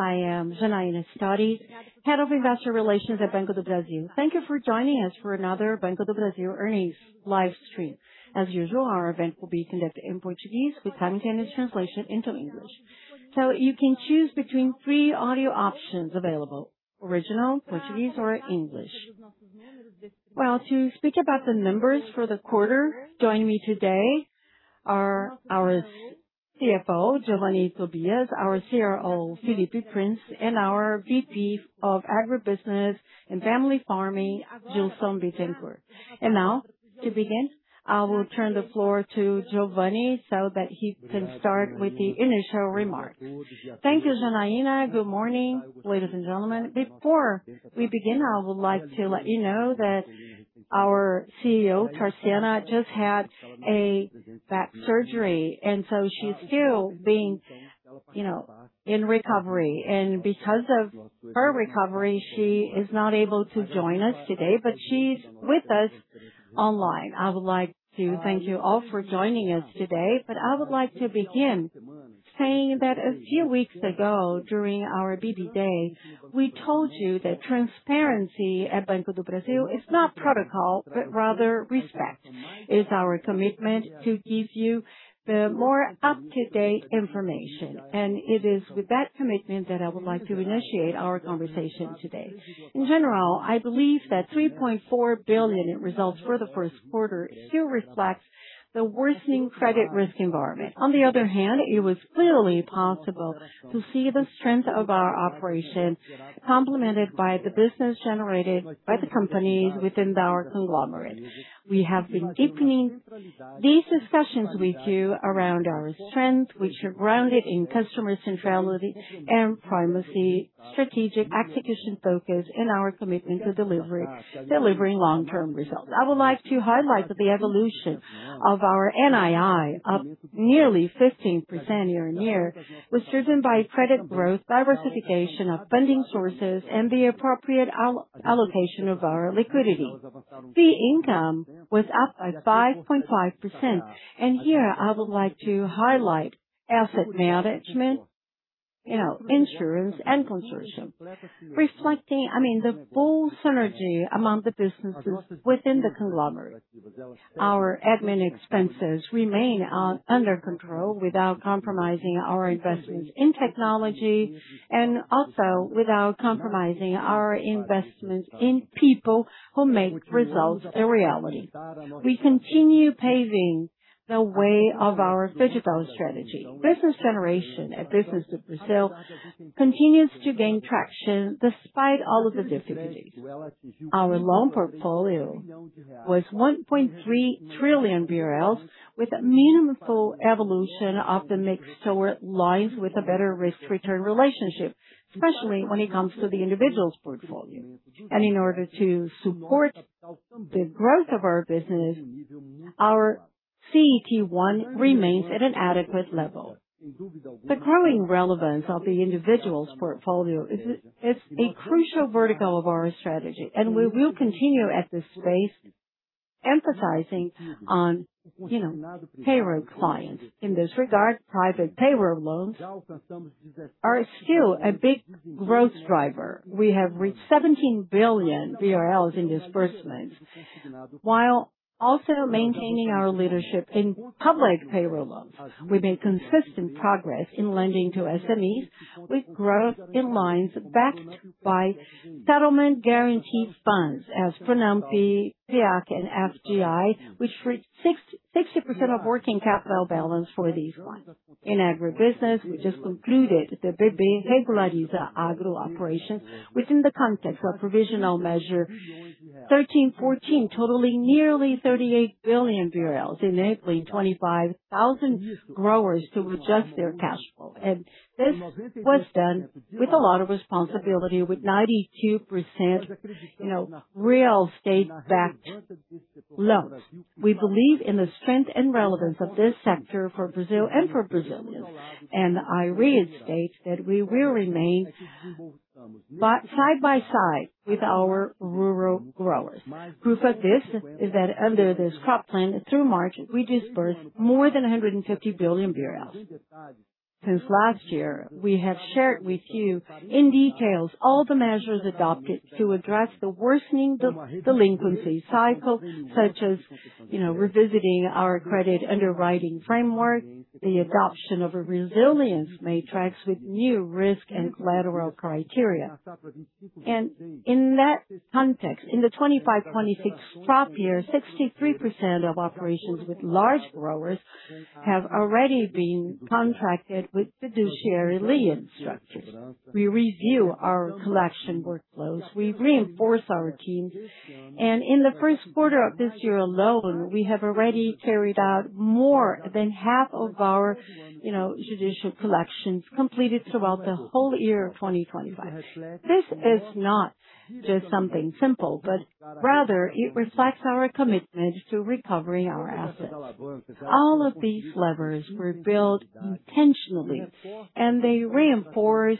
I am Janaína Storti, Head of Investor Relations at Banco do Brasil. Thank you for joining us for another Banco do Brasil earnings live stream. As usual, our event will be conducted in Portuguese with simultaneous translation into English. You can choose between three audio options available: original, Portuguese or English. Well, to speak about the numbers for the quarter, joining me today are our CFO, Geovanne Tobias, our CRO, Felipe Prince, and our VP of agribusiness and family farming, Gilson Bittencourt. Now, to begin, I will turn the floor to Geovanne so that he can start with the initial remarks. Thank you, Janaína. Good morning, ladies and gentlemen. Before we begin, I would like to let you know that our CEO, Tarciana, just had a back surgery, and so she's still being, you know, in recovery. Because of her recovery, she's not able to join us today, but she's with us online. I would like to begin saying that a few weeks ago, during our BB Day, we told you that transparency at Banco do Brasil is not protocol, but rather respect. It's our commitment to give you the more up-to-date information. It is with that commitment that I would like to initiate our conversation today. In general, I believe that 3.4 billion in results for the first quarter still reflects the worsening credit risk environment. On the other hand, it was clearly possible to see the strength of our operations, complemented by the business generated by the companies within our conglomerate. We have been deepening these discussions with you around our strengths, which are grounded in customer centrality and primacy, strategic execution focus, and our commitment to delivery, delivering long-term results. I would like to highlight that the evolution of our NII, up nearly 15% year-over-year, was driven by credit growth, diversification of funding sources, and the appropriate allocation of our liquidity. Fee income was up by 5.5%, and here I would like to highlight asset management, you know, insurance and consortium. Reflecting, I mean, the full synergy among the businesses within the conglomerate. Our admin expenses remain under control without compromising our investments in technology and also without compromising our investments in people who make results a reality. We continue paving the way of our digital strategy. Business generation at Banco do Brasil continues to gain traction despite all of the difficulties. Our loan portfolio was 1.3 trillion BRL, with minimal evolution of the mix toward lines with a better risk-return relationship, especially when it comes to the individuals' portfolio. In order to support the growth of our business, our CET1 remains at an adequate level. The growing relevance of the individuals' portfolio is a crucial vertical of our strategy, and we will continue at this pace, emphasizing on, you know, payroll clients. In this regard, private payroll loans are still a big growth driver. We have reached 17 billion BRL in disbursements, while also maintaining our leadership in public payroll loans. We've made consistent progress in lending to SMEs with growth in lines backed by settlement guaranteed funds as FAMPE, PEAC, and FGI, which reached 60% of working capital balance for these ones. In agribusiness, we just concluded the BB Regulariza Agro operation within the context of Provisional Measure 1314, totaling nearly 38 billion BRL, enabling 25,000 growers to adjust their cash flow. This was done with a lot of responsibility, with 92%, you know, real estate-backed loans. We believe in the strength and relevance of this sector for Brazil and for Brazilians, I reinstate that we will remain side by side with our rural growers. Proof of this is that under this crop plan through March, we disbursed more than 150 billion BRL. Since last year, we have shared with you in details all the measures adopted to address the worsening delinquency cycle, such as, you know, revisiting our credit underwriting framework, the adoption of a resilience matrix with new risk and collateral criteria. In that context, in the 2025/2026 crop year, 63% of operations with large growers have already been contracted with fiduciary lien structures. We review our collection workflows, we reinforce our teams, and in the first quarter of this year alone, we have already carried out more than half of our, you know, judicial collections completed throughout the whole year of 2025. This is not just something simple, but rather it reflects our commitment to recovering our assets. All of these levers were built intentionally, and they reinforce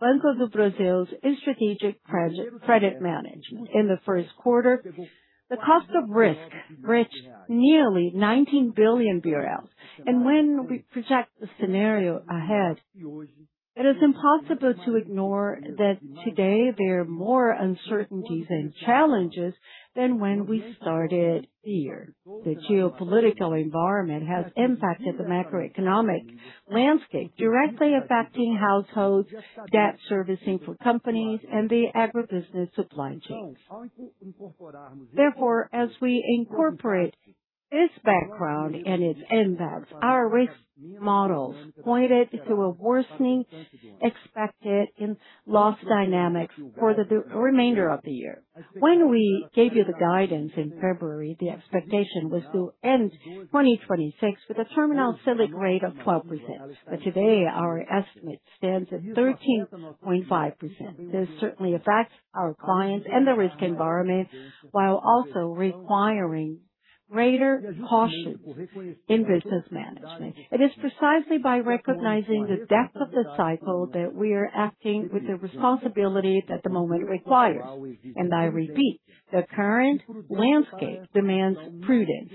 Banco do Brasil's strategic credit management. In the first quarter, the cost of risk reached nearly 19 billion BRL. When we project the scenario ahead. It is impossible to ignore that today there are more uncertainties and challenges than when we started the year. The geopolitical environment has impacted the macroeconomic landscape, directly affecting households, debt servicing for companies and the agribusiness supply chains. As we incorporate this background and its impacts, our risk models pointed to a worsening expected in loss dynamics for the remainder of the year. When we gave you the guidance in February, the expectation was to end 2026 with a terminal Selic rate of 12%. Today, our estimate stands at 13.5%. This certainly affects our clients and the risk environment, while also requiring greater caution in business management. It is precisely by recognizing the depth of the cycle that we are acting with the responsibility that the moment requires. I repeat, the current landscape demands prudence.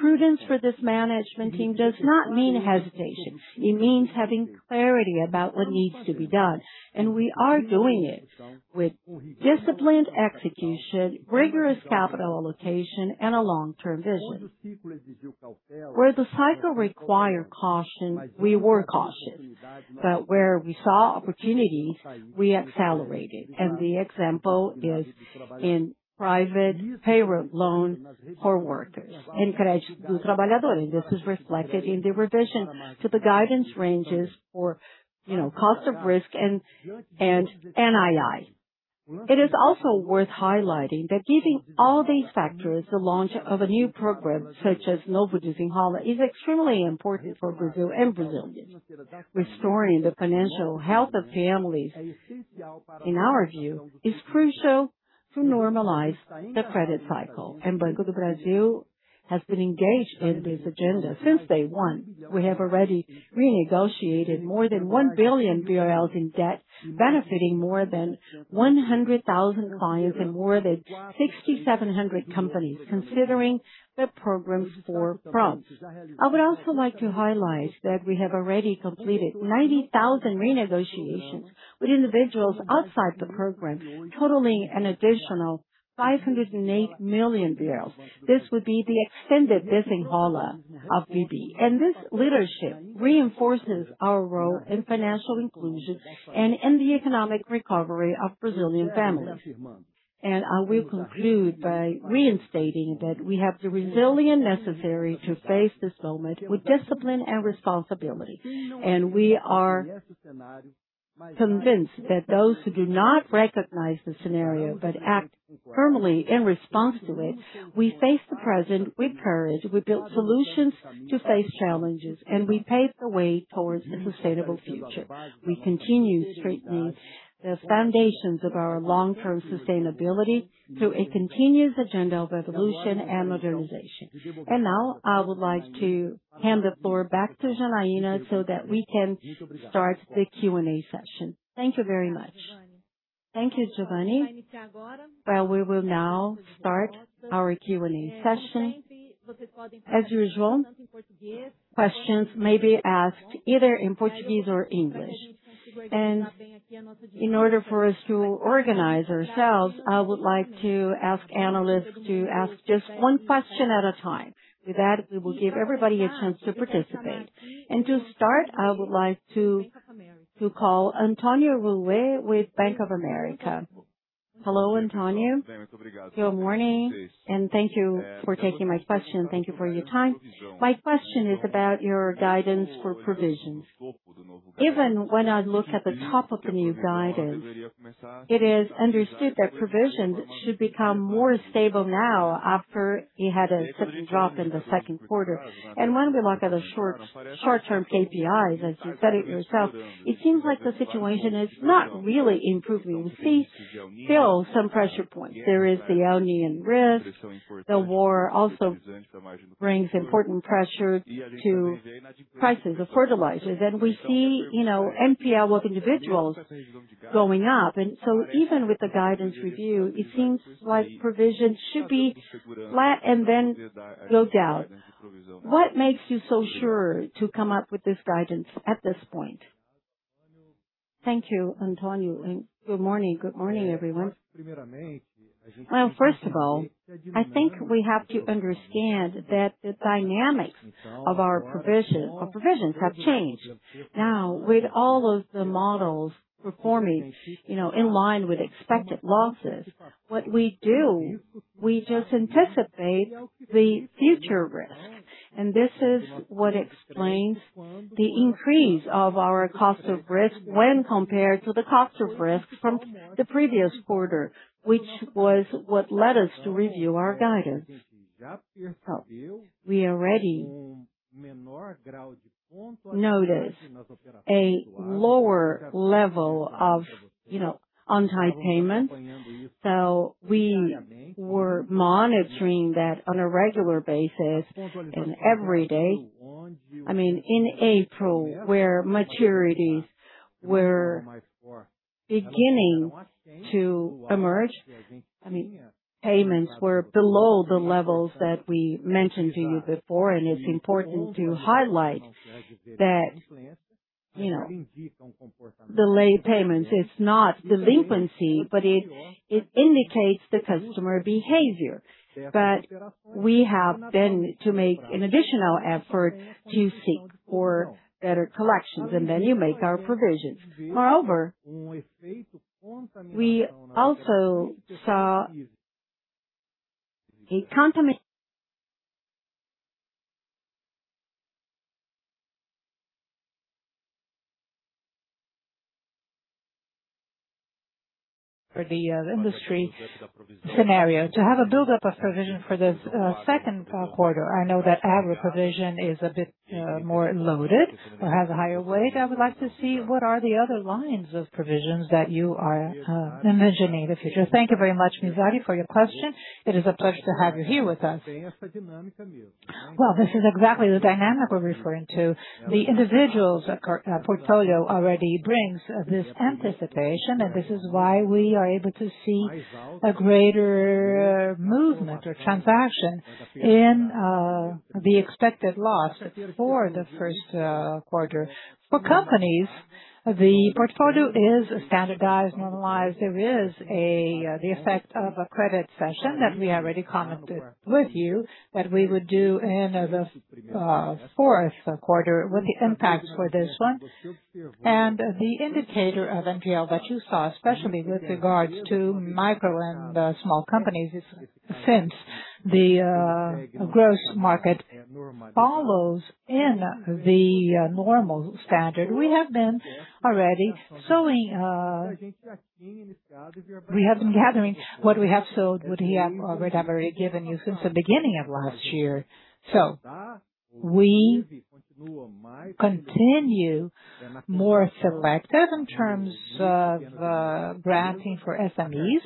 Prudence for this management team does not mean hesitation. It means having clarity about what needs to be done, and we are doing it with disciplined execution, rigorous capital allocation, and a long-term vision. Where the cycle required caution, we were cautious. Where we saw opportunity, we accelerated. The example is in private payroll loan for workers, in. This is reflected in the revision to the guidance ranges for, you know, cost of risk and NII. It is also worth highlighting that giving all these factors, the launch of a new program such as Novo Desenrola is extremely important for Brazil and Brazilians. Restoring the financial health of families, in our view, is crucial to normalize the credit cycle. Banco do Brasil has been engaged in this agenda since day one. We have already renegotiated more than 1 billion BRL in debt, benefiting more than 100,000 clients and more than 6,700 companies considering the programs for PRONAF. I would also like to highlight that we have already completed 90,000 renegotiations with individuals outside the program, totaling an additional 508 million. This would be the extended Desenrola of BB. This leadership reinforces our role in financial inclusion and in the economic recovery of Brazilian families. I will conclude by reinstating that we have the resilience necessary to face this moment with discipline and responsibility. We are convinced that those who do not recognize the scenario, but act firmly in response to it, we face the present with courage, we build solutions to face challenges, and we pave the way towards a sustainable future. We continue strengthening the foundations of our long-term sustainability through a continuous agenda of evolution and modernization. Now, I would like to hand the floor back to Janaína so that we can start the Q&A session. Thank you very much. Thank you, Geovanne. Well, we will now start our Q&A session. As usual, questions may be asked either in Portuguese or English. In order for us to organize ourselves, I would like to ask analysts to ask just one question at a time. With that, we will give everybody a chance to participate. To start, I would like to call Antonio Ruette with Bank of America. Hello, Antonio. Good morning, and thank you for taking my question. Thank you for your time. My question is about your guidance for provisions. Even when I look at the top of the new guidance, it is understood that provisions should become more stable now after you had a sudden drop in the second quarter. When we look at the short-term KPIs, as you said it yourself, it seems like the situation is not really improving. We see still some pressure points. There is the El Niño risk. The war also brings important pressure to prices of fertilizers. We see, you know, NPL of individuals going up. Even with the guidance review, it seems like provisions should be flat and then go down. What makes you so sure to come up with this guidance at this point? Thank you, Antonio. Good morning. Good morning, everyone. Well, first of all, I think we have to understand that the dynamics of our provisions have changed. With all of the models performing, you know, in line with expected losses, what we do, we just anticipate the future risk. This is what explains the increase of our cost of risk when compared to the cost of risk from the previous quarter, which was what led us to review our guidance. We already notice a lower level of, you know, on-time payments. We were monitoring that on a regular basis and every day. I mean, in April, where maturities were beginning to emerge, I mean, payments were below the levels that we mentioned to you before. It's important to highlight that, you know, delayed payments is not delinquency, but it indicates the customer behavior. We have then to make an additional effort to seek for better collections, and then you make our provisions. Moreover, we also saw a contaminate- For the industry scenario to have a buildup of provision for this second quarter. I know that agro provision is a bit more loaded or has a higher weight. I would like to see what are the other lines of provisions that you are envisioning in the future. Thank you very much, Mizrahi, for your question. It is a pleasure to have you here with us. Well, this is exactly the dynamic we're referring to. The individuals portfolio already brings this anticipation, and this is why we are able to see a greater movement or transaction in the expected loss for the first quarter. For companies, the portfolio is standardized, normalized. There is the effect of a credit session that we already commented with you that we would do in the fourth quarter with the impact for this one. The indicator of NPL that you saw, especially with regards to micro and small companies, is since the gross market follows in the normal standard. We have been already sowing, we have been gathering what we have sowed, what we have, whatever I've given you since the beginning of last year. We continue more selective in terms of granting for SMEs.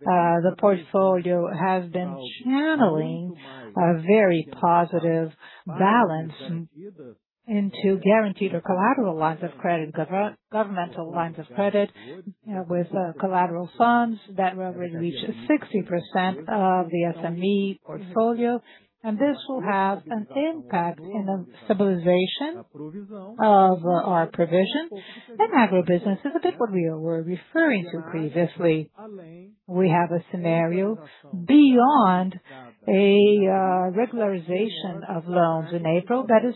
The portfolio has been channeling a very positive balance into guaranteed or collateral lines of credit, governmental lines of credit, you know, with collateral funds that will reach 60% of the SME portfolio. This will have an impact in the stabilization of our provisions. Agribusiness is a bit what we were referring to previously. We have a scenario beyond a regularization of loans in April that is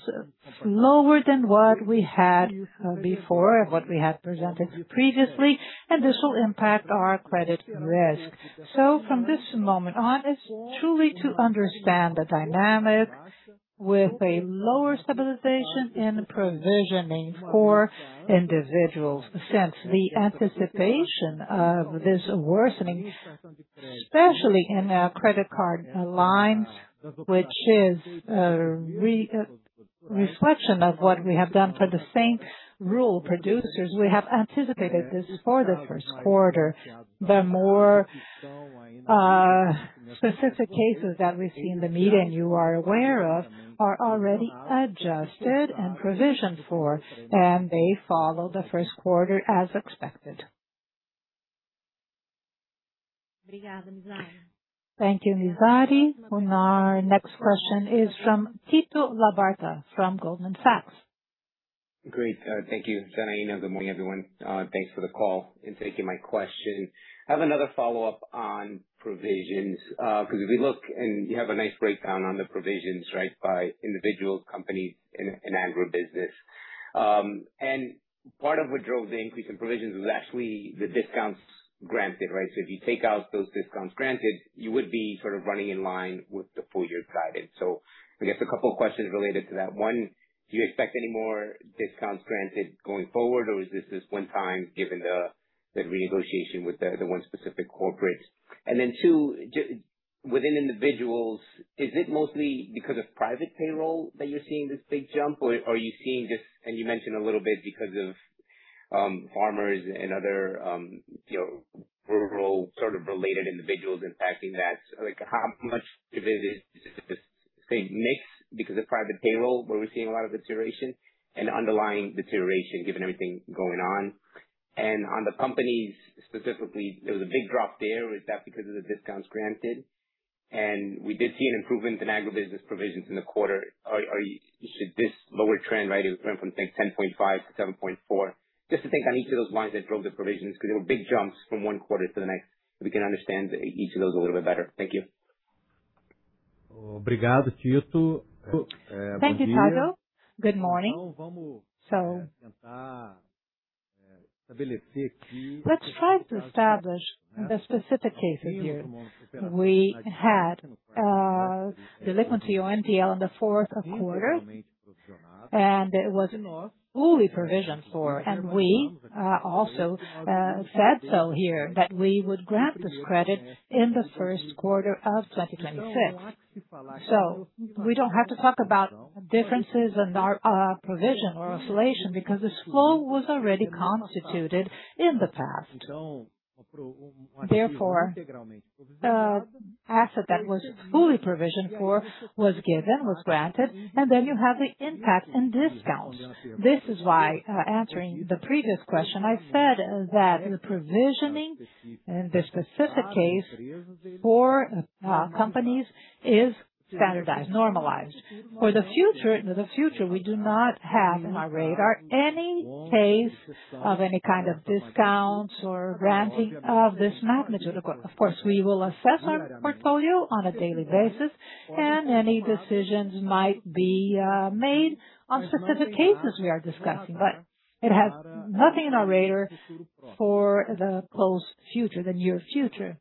lower than what we had before and what we had presented previously, and this will impact our credit risk. From this moment on, it's truly to understand the dynamic with a lower stabilization in provisioning for individuals. Since the anticipation of this worsening, especially in our credit card lines, which is a re-reflection of what we have done for the same rural producers, we have anticipated this for the first quarter. The more specific cases that we see in the media and you are aware of are already adjusted and provisioned for, and they follow the first quarter as expected. Thank you, Mizrahi. Our next question is from Tito Labarta from Goldman Sachs. Great. Thank you, Janaína. Good morning, everyone. Thanks for the call, and thank you my question. I have another follow-up on provisions, because if you look and you have a nice breakdown on the provisions, right, by individual companies in agribusiness. Part of what drove the increase in provisions was actually the discounts granted, right? If you take out those discounts granted, you would be sort of running in line with the full year guidance. I guess a couple of questions related to that. One, do you expect any more discounts granted going forward, or is this just one time given the renegotiation with the one specific corporate? Two, within individuals, is it mostly because of private payroll that you're seeing this big jump, or are you seeing this, and you mentioned a little bit because of farmers and other, you know, rural sort of related individuals impacting that? Like, how much of it is this say mix because of private payroll, where we're seeing a lot of deterioration and underlying deterioration given everything going on? On the companies specifically, there was a big drop there. Is that because of the discounts granted? We did see an improvement in agribusiness provisions in the quarter. Should this lower trend, right, it went from, I think, 10.5 to 7.4. Just to think on each of those lines that drove the provisions because there were big jumps from one quarter to the next. We can understand each of those a little bit better. Thank you. Thank you, Tito. Good morning. Let's try to establish the specific case of yours. We had delinquency or NPL in the fourth quarter, and it was fully provisioned for. We also said so here that we would grant this credit in the first quarter of 2025. We don't have to talk about differences in our provision or oscillation because this flow was already constituted in the past. Therefore, asset that was fully provisioned for was given, was granted, and then you have the impact and discounts. This is why, answering the previous question, I said that the provisioning in this specific case for companies is standardized, normalized. For the future, in the future, we do not have on our radar any case of any kind of discounts or granting of this magnitude. Of course, we will assess our portfolio on a daily basis. Any decisions might be made on specific cases we are discussing. It has nothing in our radar for the close future, the near future.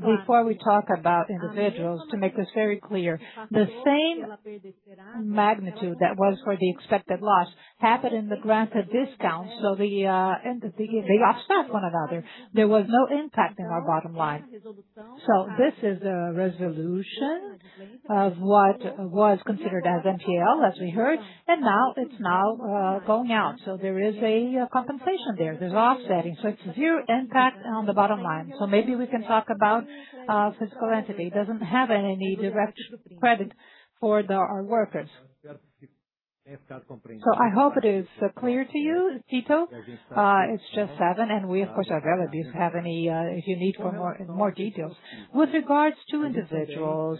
Before we talk about individuals, to make this very clear, the same magnitude that was for the expected loss happened in the granted discount. They offset one another. There was no impact in our bottom line. This is a resolution of what was considered as NPL as we heard, and now it's going out. There is a compensation there. There's offsetting. It's zero impact on the bottom line. Maybe we can talk about fiscal entity. It doesn't have any direct credit for the, our workers. I hope it is clear to you, Tito. It's just seven. We of course are available if you have any, if you need for more details. With regards to individuals,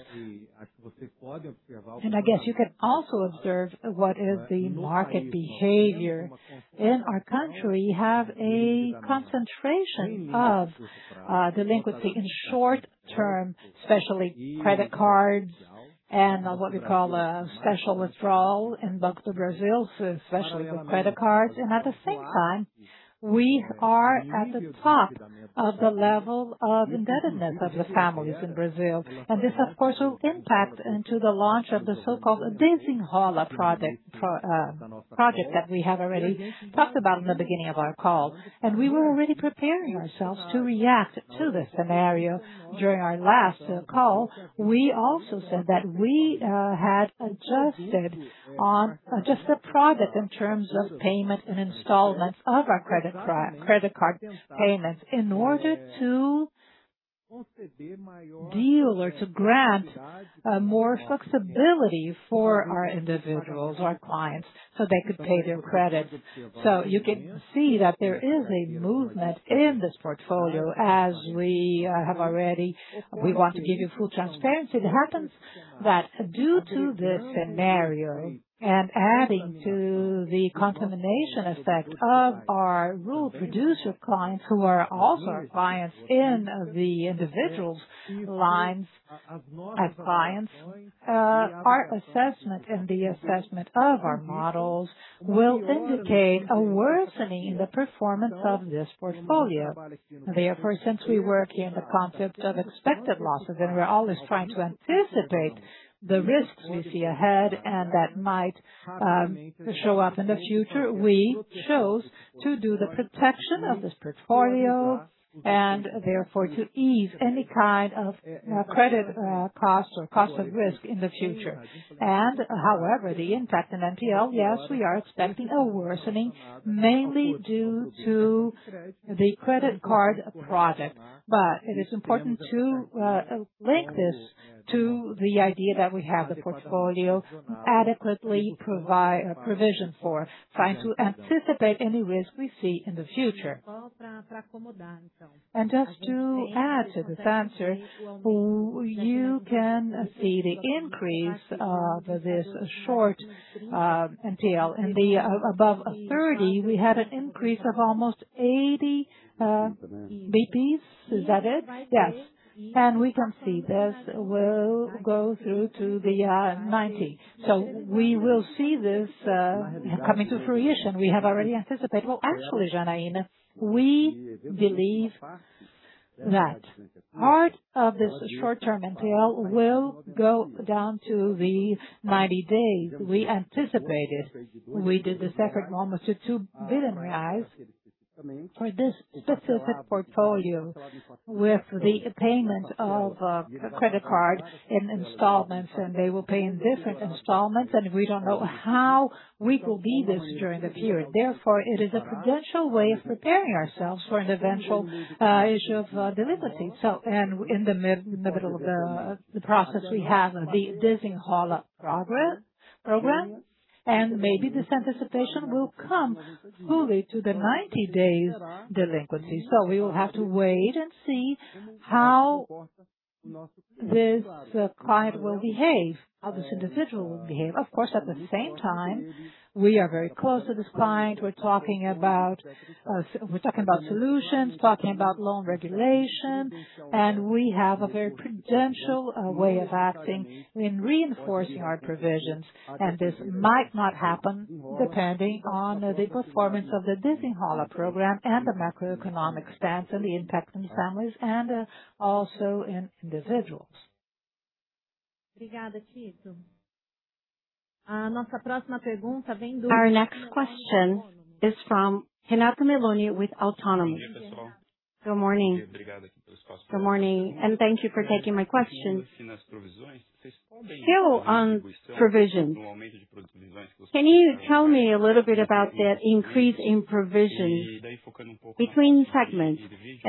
I guess you can also observe what is the market behavior. In our country, we have a concentration of delinquency in short term, especially credit cards and what we call a special withdrawal in Banco do Brasil, so especially with credit cards. At the same time, we are at the top of the level of indebtedness of the families in Brazil. This of course will impact into the launch of the so-called Desenrola project that we have already talked about in the beginning of our call. We were already preparing ourselves to react to this scenario during our last call. We also said that we had adjusted on just the product in terms of payment and installments of our credit card, credit card payments in order to deal or to grant more flexibility for our individuals, our clients, so they could pay their credit. You can see that there is a movement in this portfolio as we have already. We want to give you full transparency. It happens that due to this scenario and adding to the contamination effect of our rural producer clients who are also clients in the individuals lines as clients, our assessment and the assessment of our models will indicate a worsening the performance of this portfolio. Therefore, since we work in the concept of expected losses, we're always trying to anticipate the risks we see ahead and that might show up in the future, we chose to do the protection of this portfolio and therefore to ease any kind of credit costs or cost of risk in the future. However, the impact in NPL, yes, we are expecting a worsening mainly due to the credit card product. It is important to link this to the idea that we have the portfolio adequately provide provision for trying to anticipate any risk we see in the future. Just to add to this answer, you can see the increase of this short NPL. In the above 30, we had an increase of almost 80 basis points. Is that it? Yes. We can see this will go through to the 90. We will see this coming to fruition. We have already anticipated. Well, actually, Janaína, we believe that part of this short-term NPL will go down to the 90 days. We anticipated. We did the separate loan of 2.2 billion reais for this specific portfolio with the payment of credit card in installments, and they will pay in different installments. We don't know how we will be this during the period. Therefore, it is a prudential way of preparing ourselves for an eventual issue of delinquency. In the middle of the process, we have the Desenrola program, and maybe this anticipation will come fully to the 90-days delinquency. We will have to wait and see how this client will behave, how this individual will behave. Of course, at the same time, we are very close to this client. We're talking about solutions, talking about loan regulation, and we have a very prudential way of acting in reinforcing our provisions. This might not happen depending on the performance of the Desenrola program and the macroeconomic stance and the impact on families and also in individuals. Our next question is from Renato Meloni with Autonomous. Good morning. Good morning, and thank you for taking my question. Still on provision, can you tell me a little bit about that increase in provision between segments?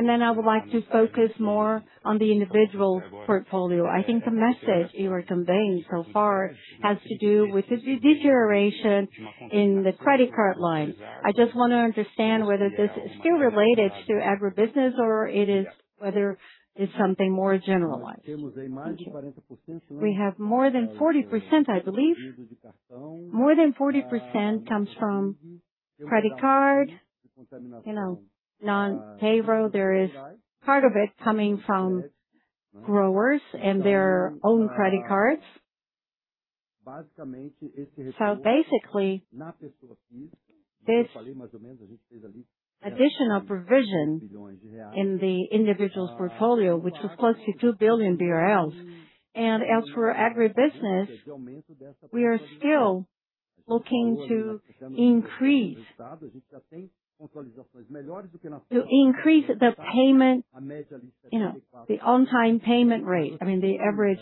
Then I would like to focus more on the individual portfolio. I think the message you are conveying so far has to do with the de-deterioration in the credit card line. I just wanna understand whether this is still related to agribusiness or whether it's something more generalized. Thank you. We have more than 40%, I believe. More than 40% comes from credit card, you know, non-payroll. There is part of it coming from growers and their own credit cards. Basically, this additional provision in the individual's portfolio, which was close to 2 billion BRL. As for agribusiness, we are still looking to increase the payment, you know, the on-time payment rate. I mean, the average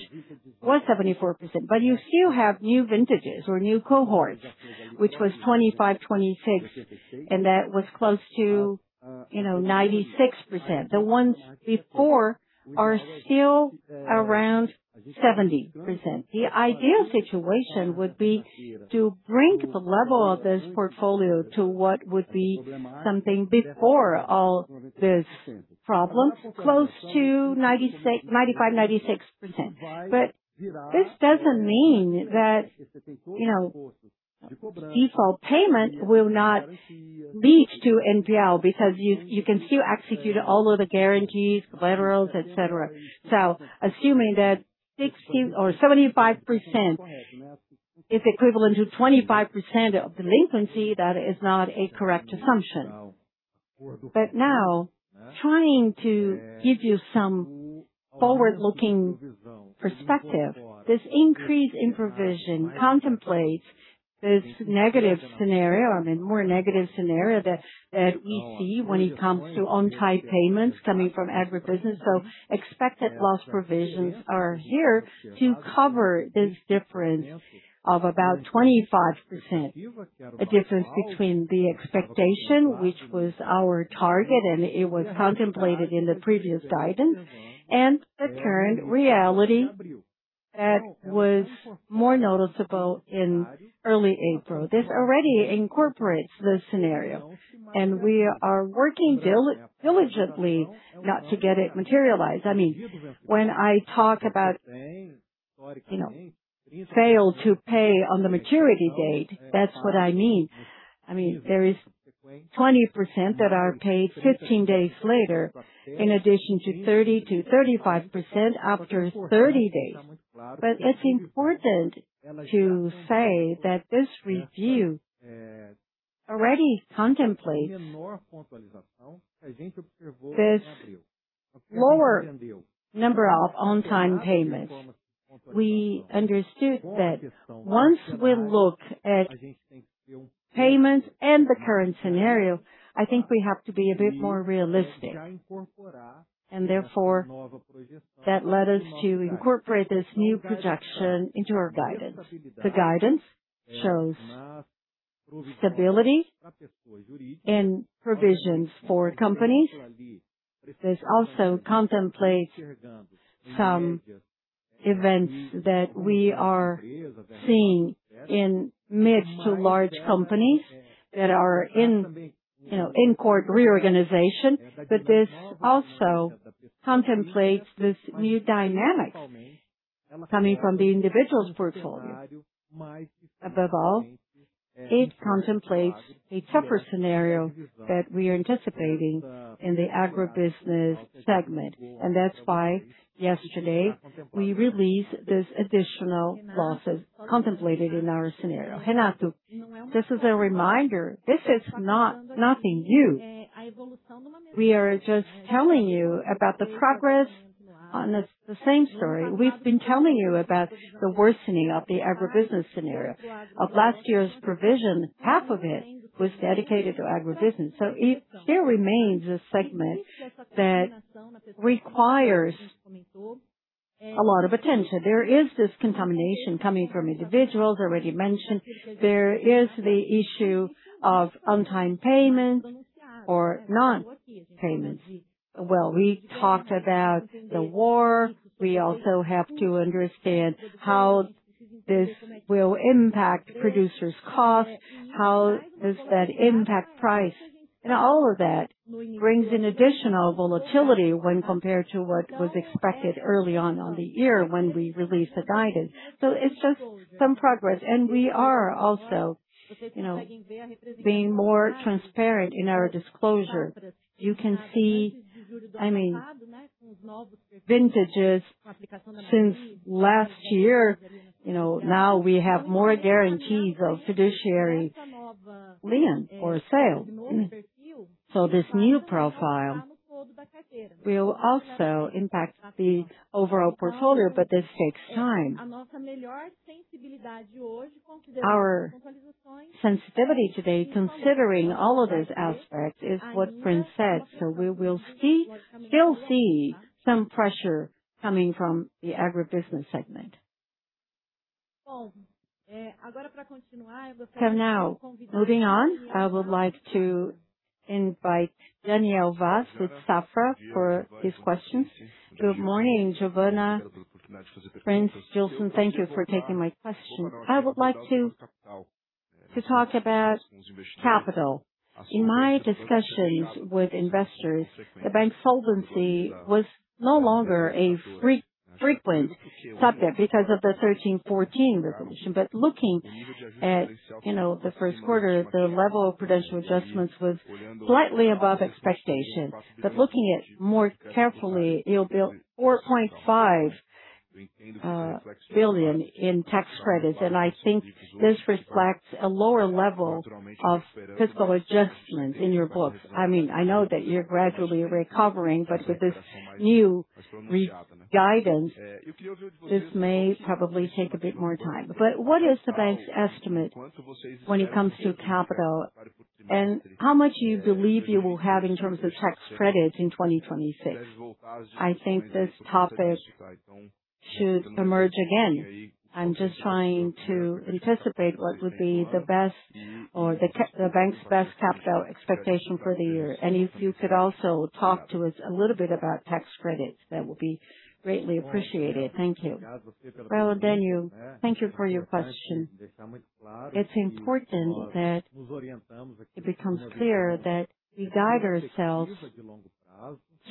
was 74%, you still have new vintages or new cohorts, which was 25%, 26% that was close to, you know, 96%. The ones before are still around 70%. The ideal situation would be to bring the level of this portfolio to what would be something before all this problem, close to 95%-96%. This doesn't mean that, you know, default payment will not lead to NPL because you can still execute all of the guarantees, collaterals, et cetera. Assuming that 60% or 75% is equivalent to 25% of delinquency, that is not a correct assumption. Now, trying to give you some forward-looking perspective, this increase in provision contemplates this negative scenario. I mean, more negative scenario that we see when it comes to on-time payments coming from agribusiness. Expected loss provisions are here to cover this difference of about 25%. A difference between the expectation, which was our target, and it was contemplated in the previous guidance, and the current reality that was more noticeable in early April. This already incorporates the scenario, and we are working diligently not to get it materialized. I mean, when I talk about, you know, fail to pay on the maturity date, that's what I mean. I mean, there is 20% that are paid 15 days later, in addition to 30%-35% after 30 days. It's important to say that this review already contemplates this lower number of on-time payments. We understood that once we look at payments and the current scenario, I think we have to be a bit more realistic. Therefore, that led us to incorporate this new projection into our guidance. The guidance shows stability in provisions for companies. This also contemplates some events that we are seeing in mid to large companies that are in, you know, in court reorganization. This also contemplates this new dynamics coming from the individual's portfolio. Above all, it contemplates a tougher scenario that we are anticipating in the agribusiness segment. That's why yesterday we released this additional losses contemplated in our scenario. Renato, this is a reminder. This is not nothing new. We are just telling you about the progress on the same story. We've been telling you about the worsening of the agribusiness scenario. Of last year's provision, half of it was dedicated to agribusiness. It still remains a segment that requires a lot of attention. There is this contamination coming from individuals, already mentioned. There is the issue of on-time payments or non-payments. Well, we talked about the war. We also have to understand how this will impact producers' costs, how does that impact price. All of that brings an additional volatility when compared to what was expected early on the year when we released the guidance. It's just some progress. We are also, you know, being more transparent in our disclosure. You can see, I mean, vintages since last year, you know, now we have more guarantees of fiduciary lien or sale. This new profile will also impact the overall portfolio, but this takes time. Our sensitivity today, considering all of these aspects, is what Prince said. We still see some pressure coming from the agribusiness segment. Now, moving on, I would like to invite Daniel Vaz at Safra for his questions. Good morning, Geovanne, Prince, Gilson. Thank you for taking my question. I would like to talk about capital. In my discussions with investors, the bank solvency was no longer a frequent subject because of the 13, 14 resolution. Looking at, you know, the first quarter, the level of prudential adjustments was slightly above expectation. Looking at more carefully, you know, the 4.5 billion in tax credits, and I think this reflects a lower level of fiscal adjustment in your books. I mean, I know that you're gradually recovering, but with this new re-guidance, this may probably take a bit more time. What is the bank's estimate when it comes to capital, and how much do you believe you will have in terms of tax credits in 2026? I think this topic should emerge again. I'm just trying to anticipate what would be the best or the bank's best capital expectation for the year. If you could also talk to us a little bit about tax credits, that would be greatly appreciated. Thank you. Well, Daniel, thank you for your question. It's important that it becomes clear that we guide ourselves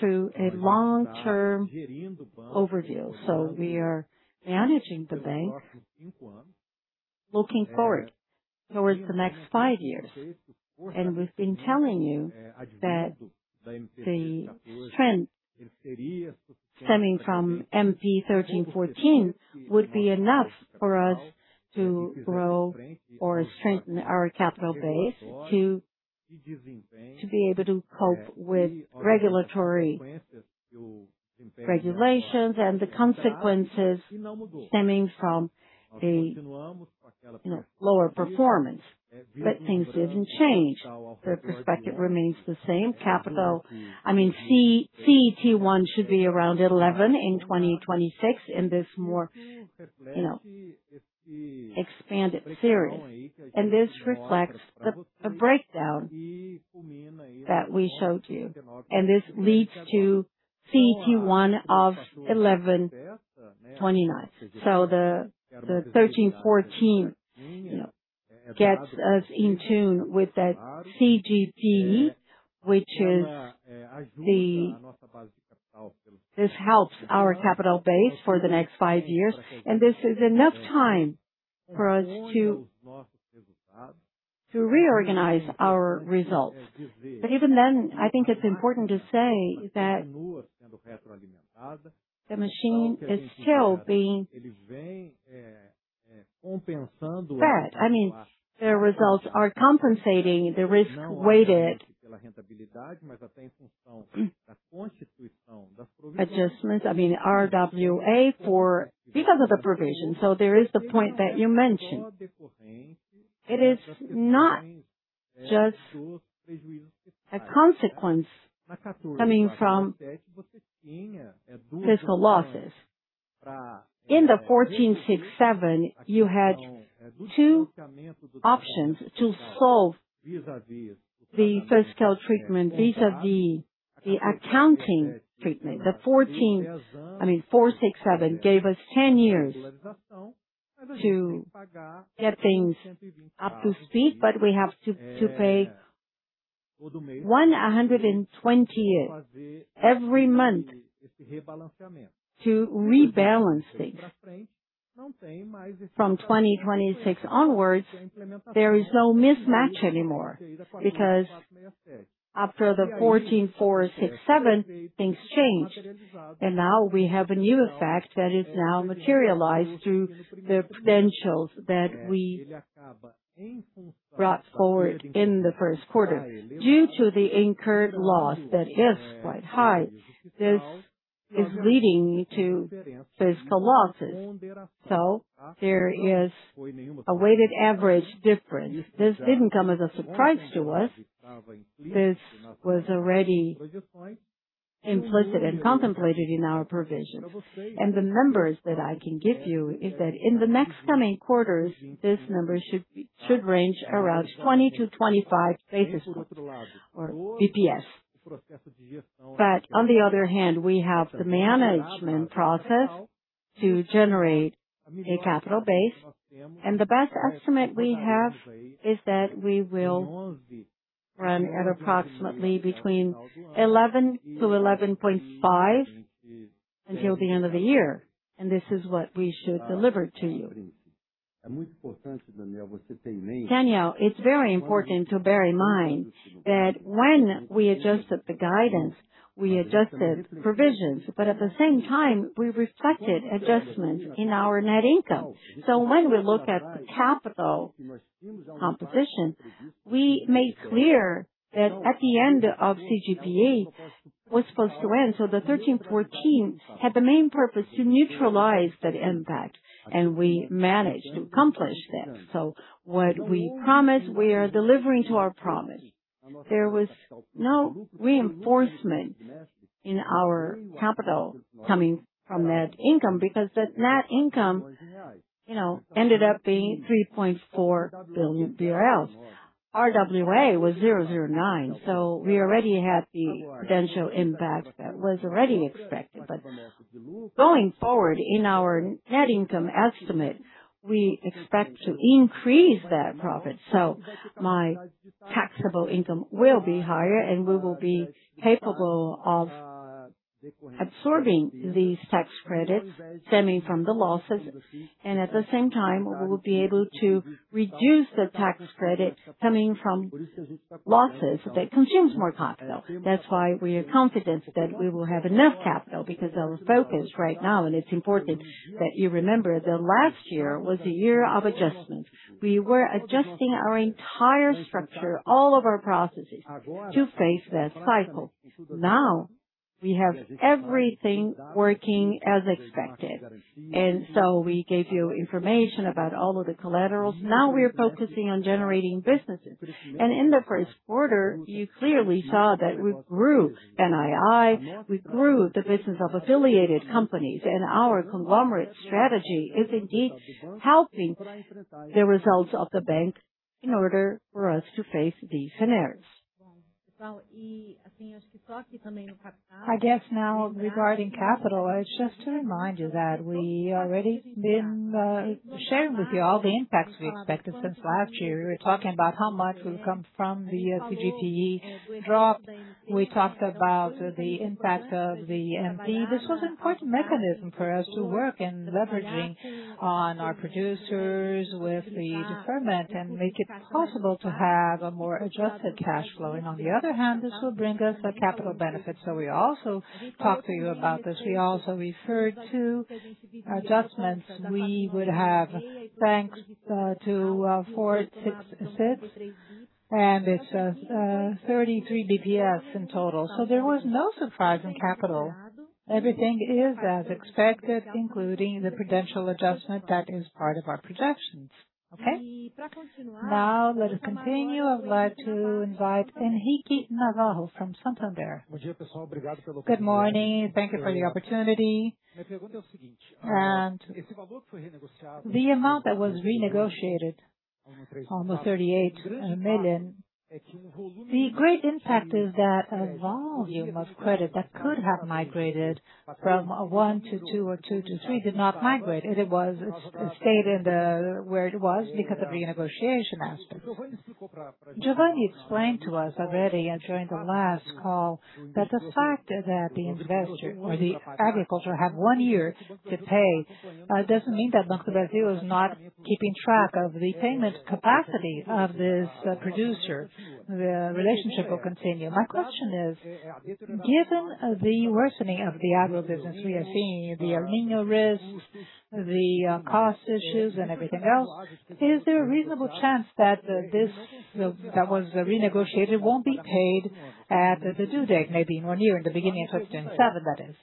to a long-term overview. We are managing the bank, looking forward towards the next five years. We've been telling you that the strength stemming from MP 1314 would be enough for us to grow or strengthen our capital base to be able to cope with regulatory regulations and the consequences stemming from a, you know, lower performance. Things didn't change. The perspective remains the same. Capital I mean, CET1 should be around 11% in 2026 in this more, you know, expanded series. This reflects the breakdown that we showed you. This leads to CET1 of 11.29%. The MP 1314, you know, gets us in tune with that CGPE. This helps our capital base for the next five years, and this is enough time for us to reorganize our results. Even then, I think it's important to say that the machine is still being fed. I mean, the results are compensating the risk-weighted adjustments. I mean, RWA because of the provision. There is the point that you mentioned. It is not just a consequence stemming from fiscal losses. In the 14, 6, 7, you had two options to solve the fiscal treatment vis-à-vis the accounting treatment. The 467 gave us 10 years to get things up to speed. We have to pay 120 every month to rebalance things. From 2026 onwards, there is no mismatch anymore because after the 1467, things changed, and now we have a new effect that is now materialized through the prudentials that we brought forward in the first quarter. Due to the incurred loss that is quite high, this is leading to fiscal losses. There is a weighted average difference. This didn't come as a surprise to us. This was already implicit and contemplated in our provisions. The numbers that I can give you is that in the next coming quarters, this number should range around 20 to 25 basis points. On the other hand, we have the management process to generate a capital base, and the best estimate we have is that we will run at approximately between 11%-11.5% until the end of the year, and this is what we should deliver to you. Daniel, it's very important to bear in mind that when we adjusted the guidance, we adjusted provisions, but at the same time, we reflected adjustments in our net income. When we look at the capital composition, we made clear that at the end of CGPE was supposed to end. The 1314 had the main purpose to neutralize that impact, and we managed to accomplish that. What we promised, we are delivering to our promise. There was no reinforcement in our capital coming from net income because the net income, you know, ended up being 3.4 billion BRL. RWA was 0.09%, we already had the prudential impact that was already expected. Going forward in our net income estimate, we expect to increase that profit. My taxable income will be higher, and we will be capable of absorbing these tax credits stemming from the losses, and at the same time, we will be able to reduce the tax credit coming from losses that consumes more capital. That's why we are confident that we will have enough capital because our focus right now, and it's important that you remember, the last year was a year of adjustment. We were adjusting our entire structure, all of our processes to face that cycle. Now we have everything working as expected. We gave you information about all of the collaterals. Now we're focusing on generating businesses. In the first quarter, you clearly saw that we grew NII, we grew the business of affiliated companies, and our conglomerate strategy is indeed helping the results of the bank in order for us to face these scenarios. I guess now regarding capital, it's just to remind you that we already been sharing with you all the impacts we expected since last year. We were talking about how much will come from the CGPE drop. We talked about the impact of the MP. This was important mechanism for us to work in leveraging on our producers with the deferment and make it possible to have a more adjusted cash flow. On the other hand, this will bring us a capital benefit. We also talk to you about this. We also referred to adjustments we would have thanks to 466, and it's 33 basis points in total. There was no surprise in capital. Everything is as expected, including the prudential adjustment that is part of our projections. Okay. Let us continue. I'd like to invite Henrique Navarro from Santander. Good morning. Thank you for the opportunity. The amount that was renegotiated, almost 38 million, the great impact is that a volume of credit that could have migrated from one to two or two to three did not migrate. It stayed where it was because of renegotiation aspects. Geovanne explained to us already and during the last call that the fact that the investor or the agriculture have one year to pay doesn't mean that Banco do Brasil is not keeping track of the payment capacity of this producer. The relationship will continue. My question is, given the worsening of the agribusiness we are seeing, the El Niño risks, the cost issues and everything else, is there a reasonable chance that that was renegotiated won't be paid at the due date, maybe in one year, in the beginning of 2027, that is.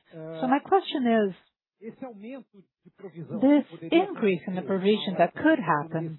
My question is, this increase in the provision that could happen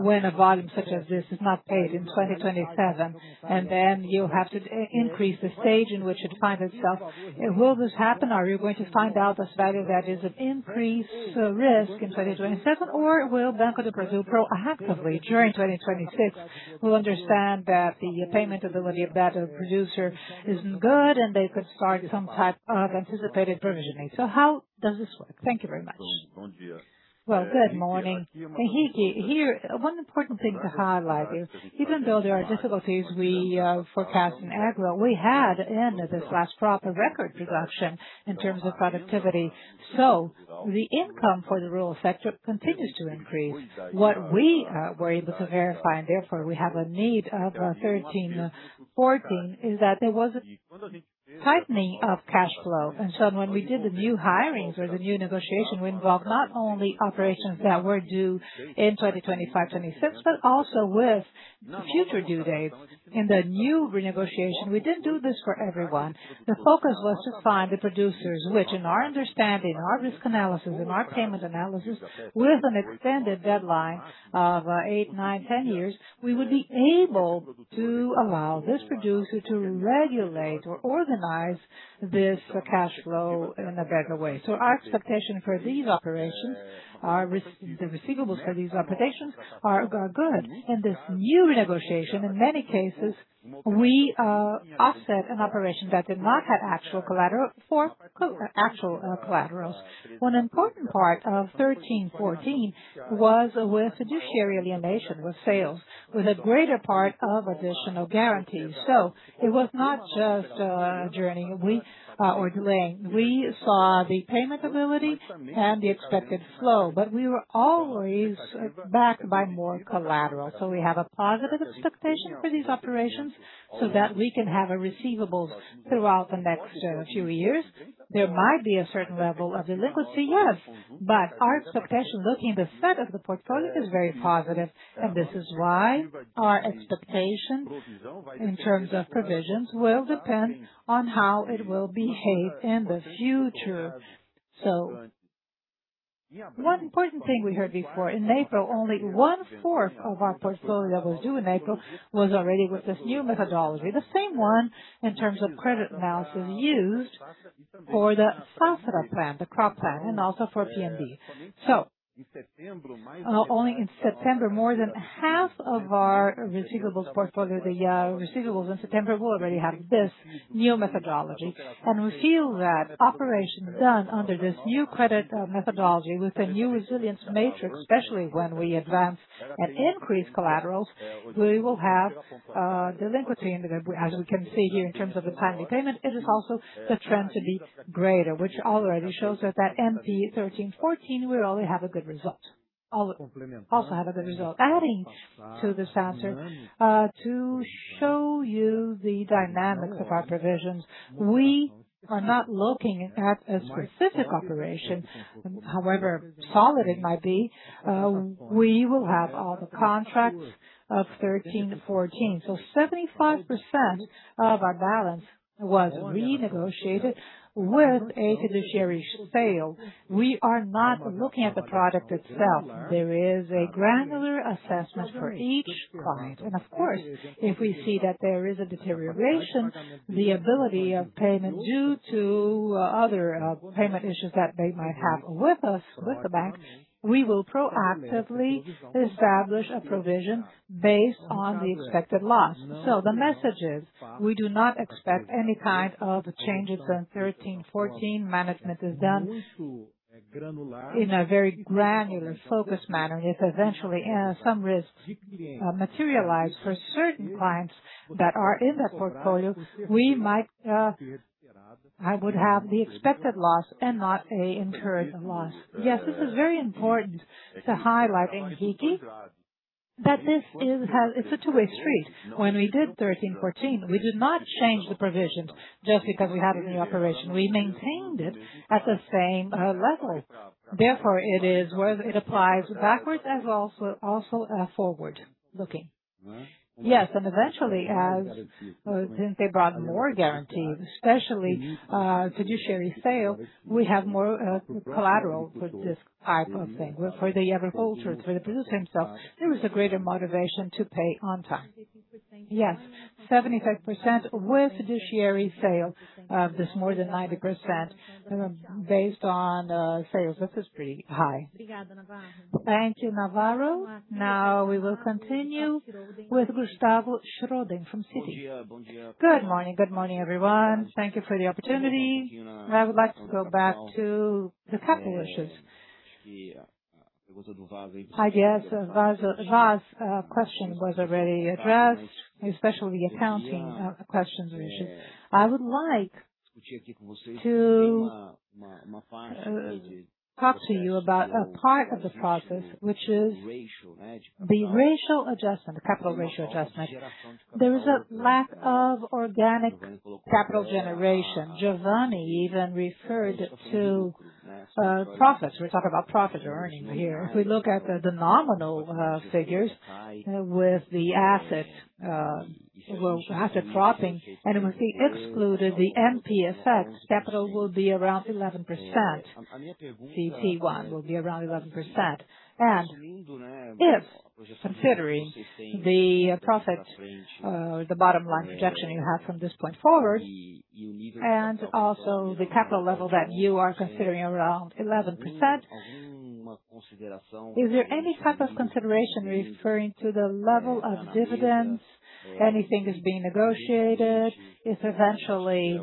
when a volume such as this is not paid in 2027, and then you have to increase the stage in which it finds itself. Will this happen? Are you going to find out as value that is an increased risk in 2027, or will Banco do Brasil proactively during 2026 will understand that the payment ability of that producer isn't good and they could start some type of anticipated provisioning? How does this work? Thank you very much. Good morning. Henrique, here, one important thing to highlight is even though there are difficulties we forecast in agro, we had in this last crop a record production in terms of productivity. The income for the rural sector continues to increase. What we were able to verify, therefore we have a need of 1314, is that there was a tightening of cash flow. When we did the new hirings or the new negotiation, we involved not only operations that were due in 2025, 2026, but also with future due dates in the new renegotiation. We didn't do this for everyone. The focus was to find the producers, which in our understanding, our risk analysis and our payment analysis, with an extended deadline of eight, nine, 10 years, we would be able to allow this producer to regulate or organize this cash flow in a better way. Our expectation for these operations, the receivables for these operations are good. In this new negotiation, in many cases, we offset an operation that did not have actual collateral for actual collaterals. One important part of 1314 was with fiduciary alienation, with sales, with a greater part of additional guarantees. It was not just churning or delaying. We saw the payment ability and the expected flow, we were always backed by more collateral. We have a positive expectation for these operations so that we can have a receivables throughout the next few years. There might be a certain level of delinquency, yes, but our expectation looking the set of the portfolio is very positive, and this is why our expectations in terms of provisions will depend on how it will behave in the future. One important thing we heard before, in April, only 1/4 of our portfolio that was due in April was already with this new methodology, the same one in terms of credit analysis used for the Plano Safra, the crop plan, and also for PND. Only in September, more than 1/2 of our receivables portfolio, the receivables in September will already have this new methodology. We feel that operations done under this new credit methodology with a new resilience matrix, especially when we advance and increase collaterals, we will have delinquency. As we can see here in terms of the timely payment, it is also the trend to be greater, which already shows us that MP 1314 will only have a good result. Also have a good result. To show you the dynamics of our provisions, we are not looking at a specific operation. However solid it might be, we will have all the contracts of 1314. 75% of our balance was renegotiated with a fiduciary sale. We are not looking at the product itself. There is a granular assessment for each client. Of course, if we see that there is a deterioration, the ability of payment due to other payment issues that they might have with us, with the bank, we will proactively establish a provision based on the expected loss. The message is, we do not expect any kind of changes in 1314. Management is done in a very granular, focused manner. If eventually, some risks materialize for certain clients that are in that portfolio, we might have the expected loss and not an incurred loss. This is very important to highlight, Henrique, that it's a two-way street. When we did 1314, we did not change the provisions just because we had a new operation. We maintained it at the same level. It is whether it applies backwards as also forward-looking. Eventually, as since they brought more guarantees, especially fiduciary sale, we have more collateral for this type of thing. For the aviculturers, for the producer himself, there is a greater motivation to pay on time. 75% with fiduciary sale. There's more than 90%, you know, based on sales. This is pretty high. Thank you, Navarro. Now we will continue with Gustavo Schroden from Citi. Good morning. Good morning, everyone. Thank you for the opportunity. I would like to go back to the capital issues. I guess Vaz question was already addressed, especially accounting questions or issues. I would like to talk to you about a part of the process, which is the capital ratio adjustment. There is a lack of organic capital generation. Geovanne even referred to profits. We talk about profit or earnings here. If we look at the nominal figures with the asset dropping, and if we excluded the MP effect, capital will be around 11%. CET1 will be around 11%. If considering the profit, the bottom line projection you have from this point forward, and also the capital level that you are considering around 11%, is there any type of consideration referring to the level of dividends? Anything is being negotiated? If eventually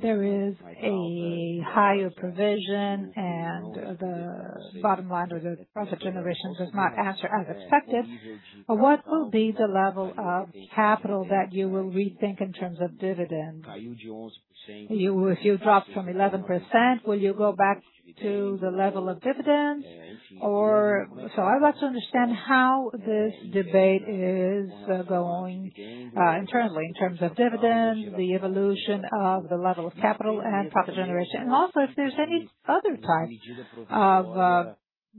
there is a higher provision and the bottom line or the profit generation does not answer as expected, what will be the level of capital that you will rethink in terms of dividends? You, if you drop from 11%, will you go back to the level of dividends? I'd like to understand how this debate is going internally in terms of dividends, the evolution of the level of capital and profit generation. Also if there's any other type of measure,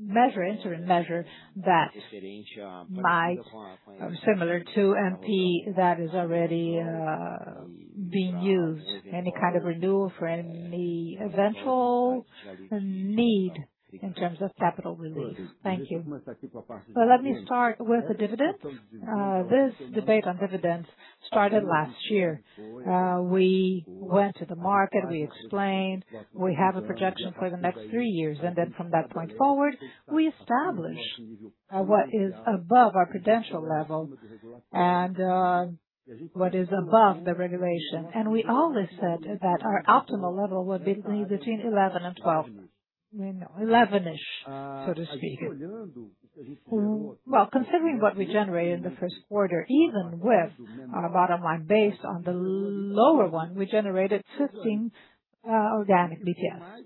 interim measure that might, similar to MP, that is already being used, any kind of renewal for any eventual need in terms of capital release. Thank you. Let me start with the dividends. This debate on dividends started last year. We went to the market, we explained we have a projection for the next three years, from that point forward, we establish what is above our credential level and what is above the regulation. We always said that our optimal level would be between 11% and 12%. You know, 11-ish, so to speak. Well, considering what we generated in the first quarter, even with our bottom line based on the lower one, we generated 15 organic CET1.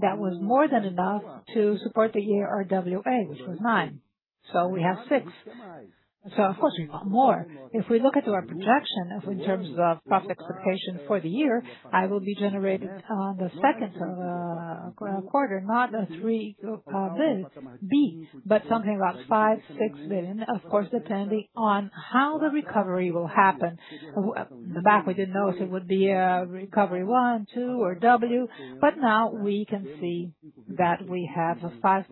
That was more than enough to support the year RWA, which was 9%. We have 6%. Of course we want more. If we look at our projection in terms of profit expectation for the year, I will be generating the second quarter, not a 3 billion, but something about 5 billion-6 billion, of course, depending on how the recovery will happen. At the back, we didn't know if it would be a recovery one, two, or W, but now we can see that we have 5.6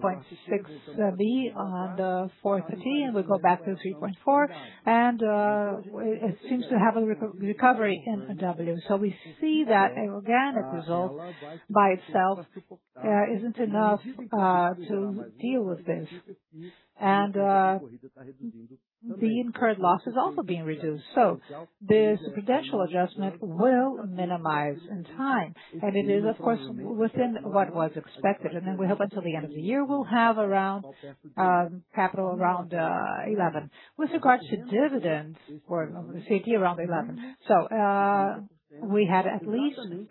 billion on the 4T, and we go back to 3.4 billion. It seems to have a recovery in W. We see that an organic result by itself isn't enough to deal with this. The incurred loss is also being reduced. This prudential adjustment will minimize in time, and it is of course within what was expected. We hope until the end of the year, we'll have around capital around 11%. With regards to dividends for CET1 around 11%. We had at least 30%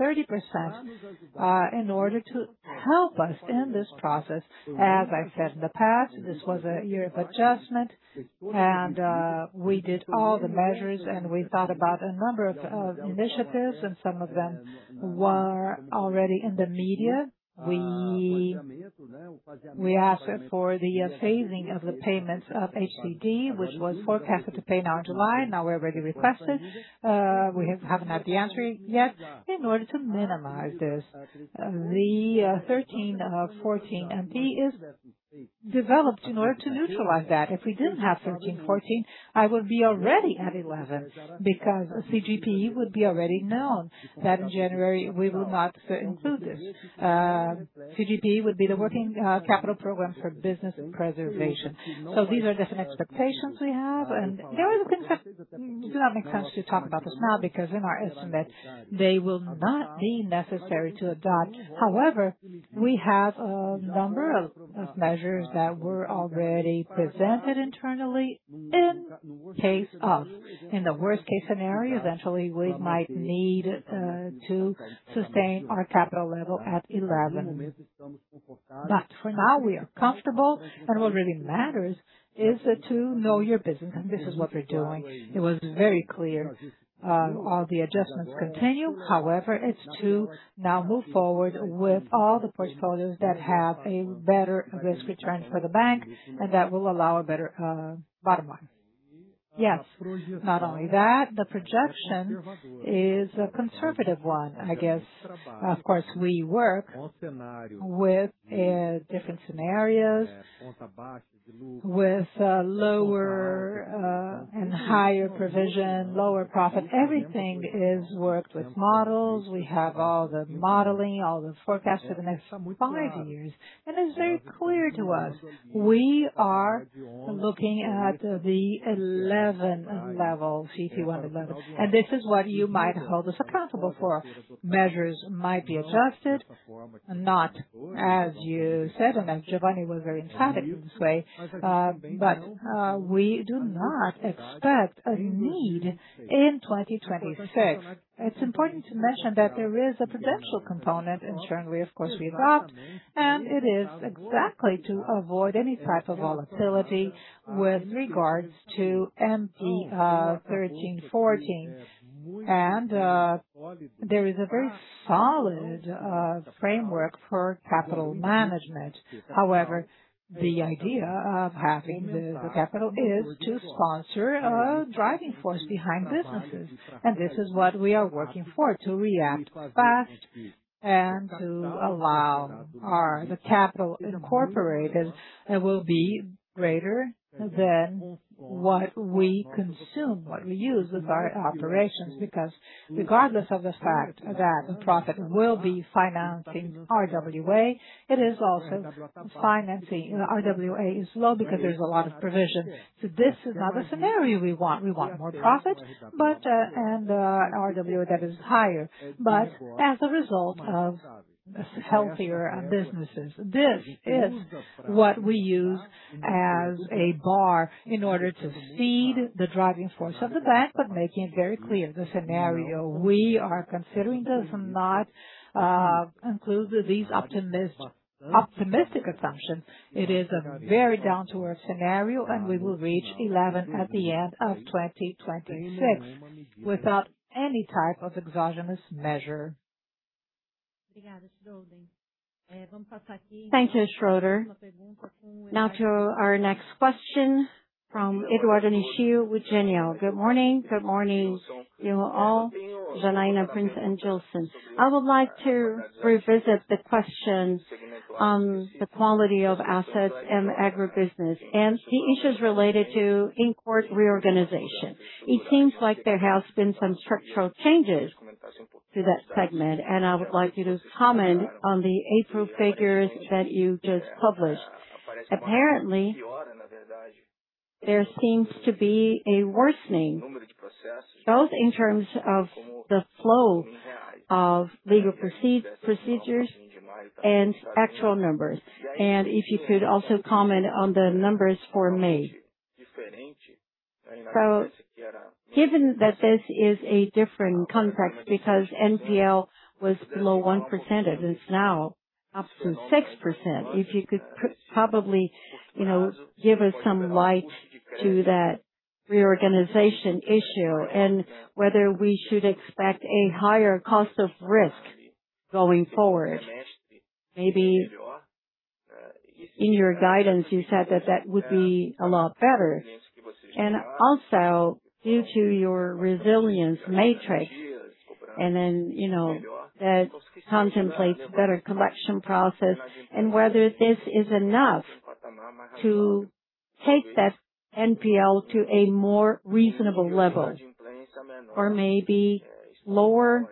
in order to help us in this process. As I said in the past, this was a year of adjustment and we did all the measures and we thought about a number of initiatives, and some of them were already in the media. We asked for the phasing of the payments of HCD, which was forecasted to pay now in July. Now we already requested, we haven't had the answer yet in order to minimize this. The 1314 MP is developed in order to neutralize that. If we didn't have 1314, I would be already at 11% because CGPE would be already known that in January we will not include this. CGPE would be the working capital program for business preservation. These are different expectations we have. There are things that do not make sense to talk about this now because in our estimate, they will not be necessary to adopt. However, we have a number of measures that were already presented internally in case of. In the worst-case scenario, eventually, we might need to sustain our capital level at 11%. For now, we are comfortable and what really matters is to know your business, and this is what we're doing. It was very clear. All the adjustments continue. However, it's to now move forward with all the portfolios that have a better risk return for the bank, and that will allow a better bottom line. Yes. Not only that, the projection is a conservative one, I guess. Of course, we work with different scenarios with lower and higher provision, lower profit. Everything is worked with models. We have all the modeling, all the forecast for the next five years. It's very clear to us, we are looking at the 11% level, CET1 11%. This is what you might hold us accountable for. Measures might be adjusted, not as you said, and then Geovanne was very emphatic in this way. We do not expect a need in 2026. It's important to mention that there is a prudential component. Certainly, of course, we adopt, and it is exactly to avoid any type of volatility with regards to MP 1314. There is a very solid framework for capital management. However, the idea of having the capital is to sponsor a driving force behind businesses. This is what we are working for, to react fast and to allow the capital incorporated. It will be greater than what we consume, what we use with our operations. Regardless of the fact that profit will be financing RWA, it is also financing. RWA is low because there's a lot of provision. This is not a scenario we want. We want more profits, but and RWA that is higher, but as a result of healthier businesses. This is what we use as a bar in order to feed the driving force of the bank, but making it very clear, the scenario we are considering does not include these optimistic assumptions. It is a very downward scenario, and we will reach 11% at the end of 2026 without any type of exogenous measure. Thank you, Schroden. To our next question from Eduardo Nishio with Genial. Good morning. Good morning to you all, Janaína, Prince, and Gilson. I would like to revisit the question on the quality of assets and agribusiness and the issues related to in-court reorganization. It seems like there has been some structural changes to that segment, and I would like you to comment on the April figures that you just published. Apparently, there seems to be a worsening, both in terms of the flow of legal procedures and actual numbers. If you could also comment on the numbers for May. Given that this is a different context because NPL was below 1% and it's now up to 6%, if you could probably, you know, give us some light to that reorganization issue and whether we should expect a higher cost of risk going forward. Maybe in your guidance, you said that that would be a lot better. Also due to your resilience matrix, and then, you know, that contemplates better collection process and whether this is enough to take that NPL to a more reasonable level or maybe lower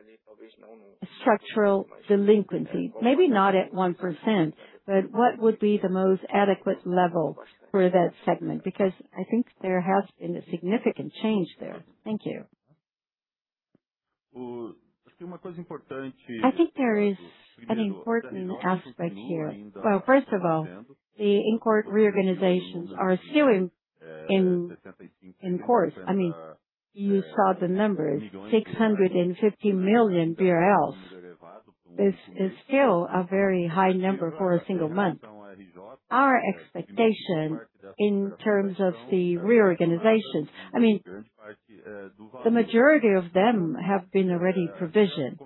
structural delinquency. Maybe not at 1%, but what would be the most adequate level for that segment? Because I think there has been a significant change there. Thank you. I think there is an important aspect here. Well, first of all, the in-court reorganizations are still in course. I mean, you saw the numbers, 650 million BRL. This is still a very high number for a single month. Our expectation in terms of the reorganization, I mean, the majority of them have been already provisioned.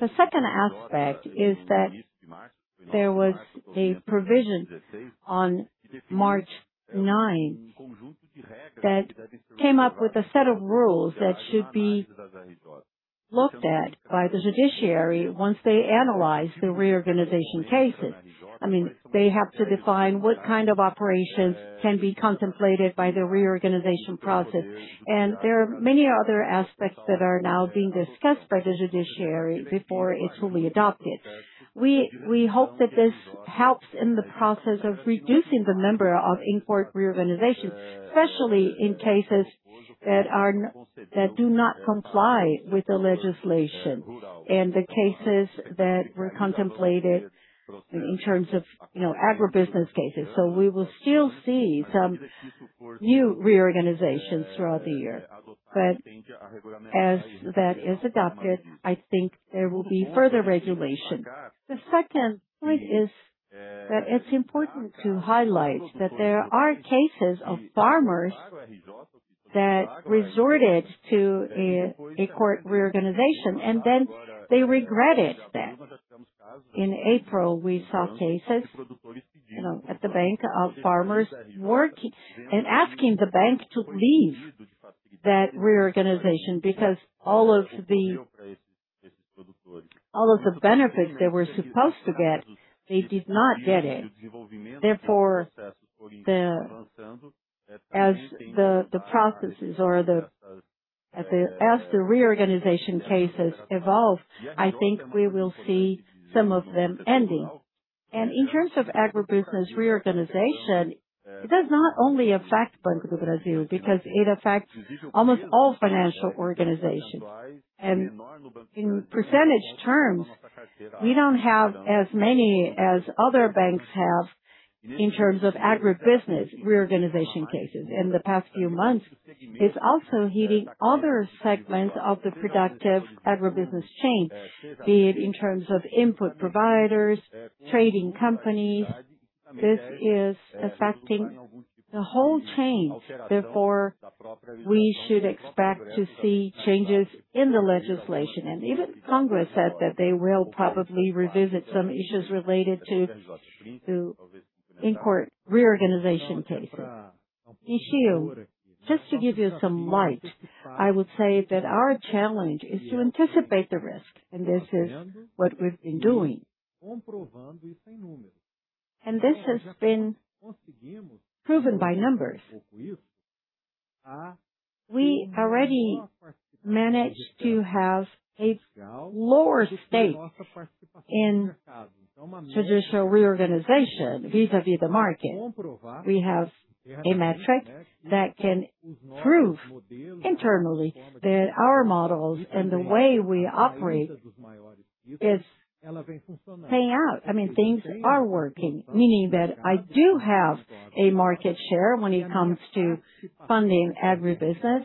The second aspect is that there was a provision on March 9 that came up with a set of rules that should be looked at by the judiciary once they analyze the reorganization cases. I mean, they have to define what kind of operations can be contemplated by the reorganization process. There are many other aspects that are now being discussed by the judiciary before it's fully adopted. We hope that this helps in the process of reducing the number of in-court reorganizations, especially in cases that do not comply with the legislation and the cases that were contemplated in terms of, you know, agribusiness cases. We will still see some new reorganizations throughout the year. As that is adopted, I think there will be further regulation. The second point is that it's important to highlight that there are cases of farmers that resorted to a court reorganization. Then they regretted that. In April, we saw cases, you know, at the bank of farmers working and asking the bank to leave that reorganization because all of the benefits they were supposed to get, they did not get it. As the processes or as the reorganization cases evolve, I think we will see some of them ending. In terms of agribusiness reorganization, it does not only affect Banco do Brasil because it affects almost all financial organizations. In percentage terms, we don't have as many as other banks have in terms of agribusiness reorganization cases. In the past few months, it's also hitting other segments of the productive agribusiness chain, be it in terms of input providers, trading companies. This is affecting the whole chain. Therefore, we should expect to see changes in the legislation. Even Congress said that they will probably revisit some issues related to in-court reorganization cases. Nishio, just to give you some light, I would say that our challenge is to anticipate the risk, and this is what we've been doing. This has been proven by numbers. We already managed to have a lower stake in judicial reorganization vis-à-vis the market. We have a metric that can prove internally that our models and the way we operate is paying out. I mean, things are working, meaning that I do have a market share when it comes to funding agribusiness.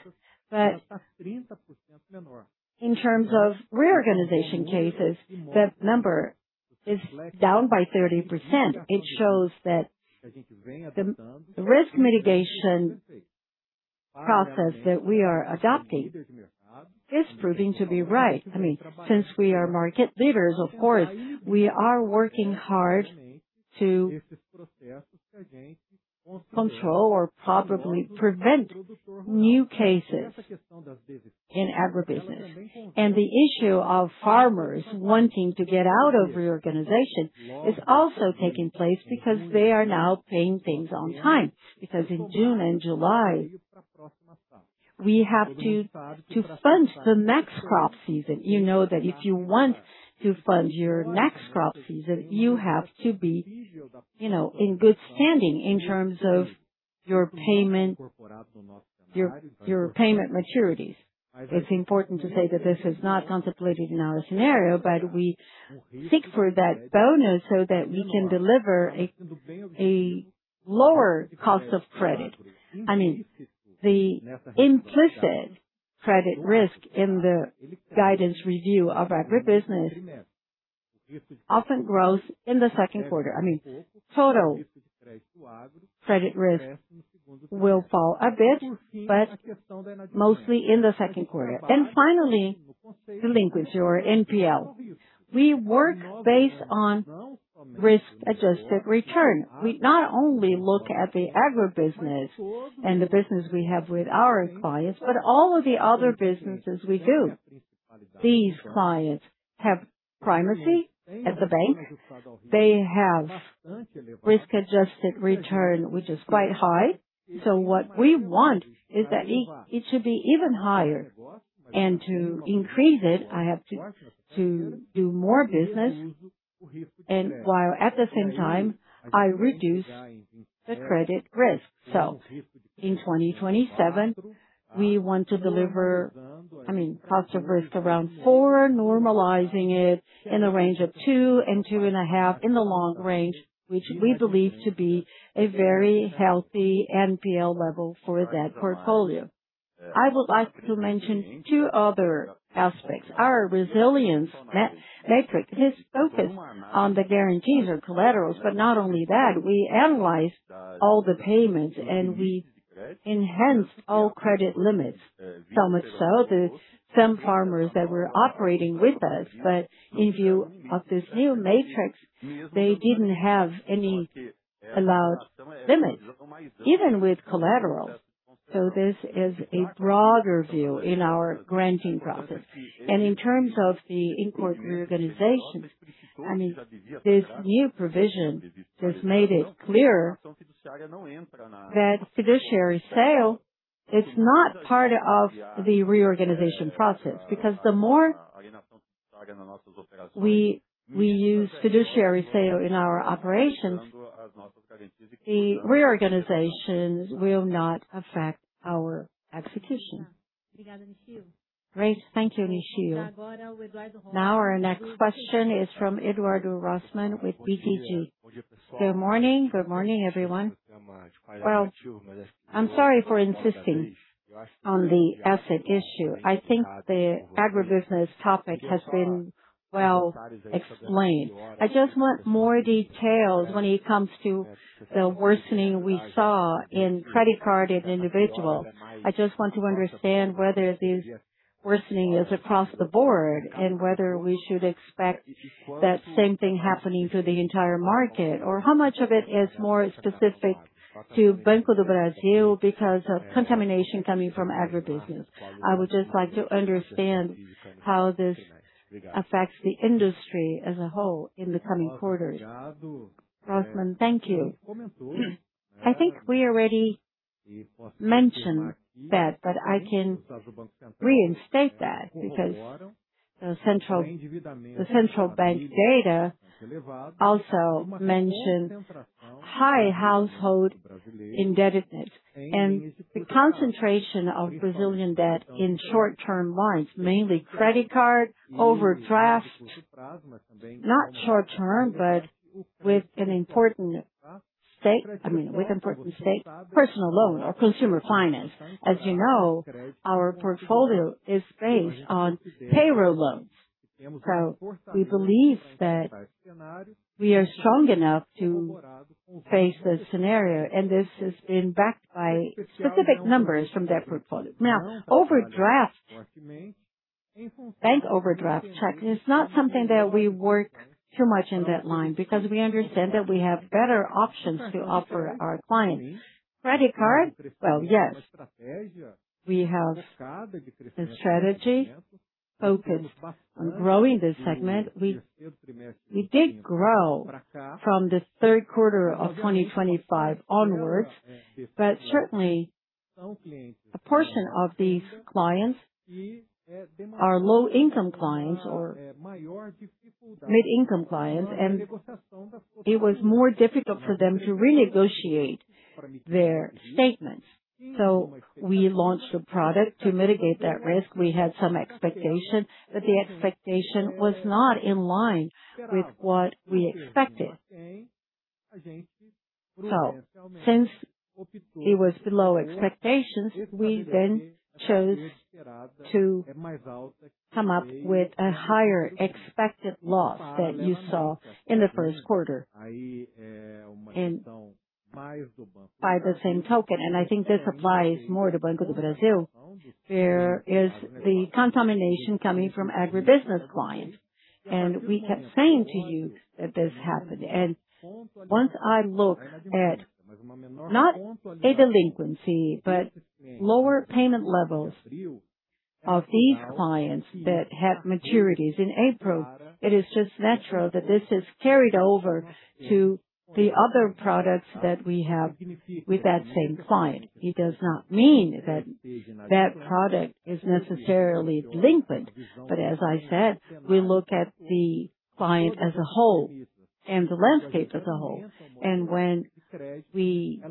In terms of reorganization cases, that number is down by 30%. It shows that the risk mitigation process that we are adopting is proving to be right. I mean, since we are market leaders, of course, we are working hard to control or properly prevent new cases in agribusiness. The issue of farmers wanting to get out of reorganization is also taking place because they are now paying things on time. Because in June and July, we have to fund the next crop season. You know that if you want to fund your next crop season, you have to be, you know, in good standing in terms of your payment, your payment maturities. It's important to say that this is not contemplated in our scenario, but we seek for that bonus so that we can deliver a lower cost of credit. I mean, the implicit credit risk in the guidance review of agribusiness often grows in the second quarter. I mean, total credit risk will fall a bit, but mostly in the second quarter. Finally, delinquency or NPL. We work based on risk-adjusted return. We not only look at the agribusiness and the business we have with our clients, but all of the other businesses we do. These clients have primacy at the bank. They have risk-adjusted return, which is quite high. What we want is that it should be even higher. To increase it, I have to do more business and while at the same time, I reduce the credit risk. In 2027, we want to deliver, I mean, cost of risk around 4%, normalizing it in a range of 2% and 2.5% in the long range, which we believe to be a very healthy NPL level for that portfolio. I would like to mention two other aspects. Our resilience metric is focused on the guarantees or collaterals, but not only that, we analyzed all the payments, and we enhanced all credit limits, so much so that some farmers that were operating with us, but in view of this new matrix, they didn't have any allowed limits, even with collateral. This is a broader view in our granting process. In terms of the in-court reorganization, I mean, this new provision has made it clearer that fiduciary sale is not part of the reorganization process because the more we use fiduciary sale in our operations, the reorganizations will not affect our execution. Great. Thank you, Nishio. Our next question is from Eduardo Rosman with BTG. Good morning. Good morning, everyone. Well, I'm sorry for insisting on the asset issue. I think the agribusiness topic has been well explained. I just want more details when it comes to the worsening we saw in credit card and individual. I just want to understand whether this worsening is across the board and whether we should expect that same thing happening to the entire market, or how much of it is more specific to Banco do Brasil because of contamination coming from agribusiness. I would just like to understand how this affects the industry as a whole in the coming quarters. Rosman, thank you. I think we already mentioned that, but I can reinstate that because the Central Bank data also mentioned high household indebtedness and the concentration of Brazilian debt in short-term loans, mainly credit card, overdraft, not short-term, but with an important stake. I mean, with important stake, personal loan or consumer finance. As you know, our portfolio is based on payroll loans. We believe that we are strong enough to face the scenario, and this has been backed by specific numbers from that portfolio. Now, overdraft, bank overdraft check is not something that we work too much in that line because we understand that we have better options to offer our clients. Credit card, well, yes. We have the strategy focused on growing this segment. We did grow from the third quarter of 2025 onwards, but certainly a portion of these clients are low-income clients or mid-income clients, and it was more difficult for them to renegotiate their statements. We launched a product to mitigate that risk. We had some expectations, but the expectation was not in line with what we expected. Since it was below expectations, we chose to come up with a higher expected loss that you saw in the first quarter. By the same token, and I think this applies more to Banco do Brasil, there is the contamination coming from agribusiness clients. We kept saying to you that this happened. Once I look at not a delinquency, but lower payment levels of these clients that had maturities in April, it is just natural that this is carried over to the other products that we have with that same client. It does not mean that that product is necessarily delinquent. As I said, we look at the client as a whole and the landscape as a whole. When we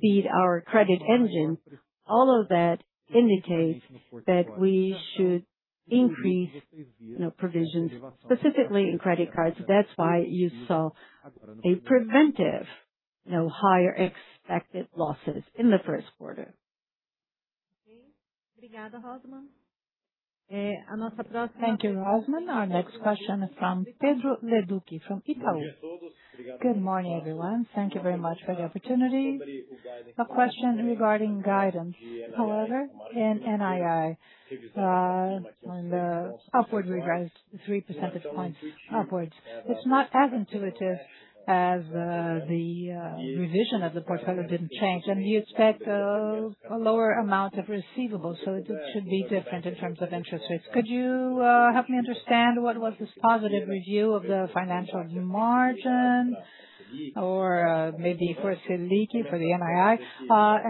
feed our credit engine, all of that indicates that we should increase, you know, provisions, specifically in credit cards. That's why you saw a preventive, you know, higher expected losses in the first quarter. Thank you, Rosman. Our next question is from Pedro Leduc from Itaú BBA. Good morning, everyone. Thank you very much for the opportunity. A question regarding guidance. However, in NII, on the upward revised 3 percentage points upwards. It's not as intuitive as the revision of the portfolio didn't change, and you expect a lower amount of receivables, so it should be different in terms of interest rates. Could you help me understand what was this positive review of the financial margin or maybe for CDI for the NII?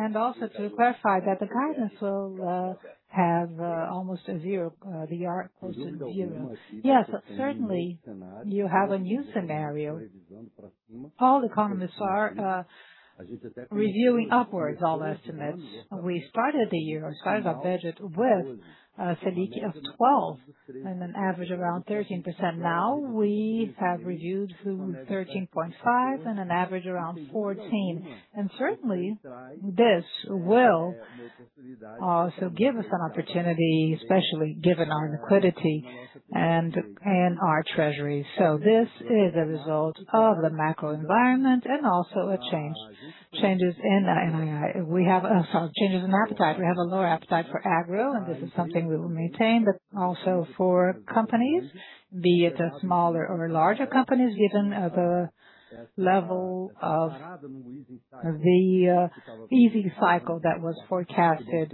And also to clarify that the guidance will have almost a zero, BRL close to zero. Yes, certainly, you have a new scenario. All the economists are reviewing upwards all the estimates. We started the year, started our budget with a CDI of 12% and an average around 13%. We have reviewed to 13.5% and an average around 14%. Certainly, this will also give us an opportunity, especially given our liquidity and our treasury. This is a result of the macro environment and also changes in NII. We have some changes in appetite. We have a lower appetite for agro, and this is something we will maintain, but also for companies, be it a smaller or larger companies, given the level of the easing cycle that was forecasted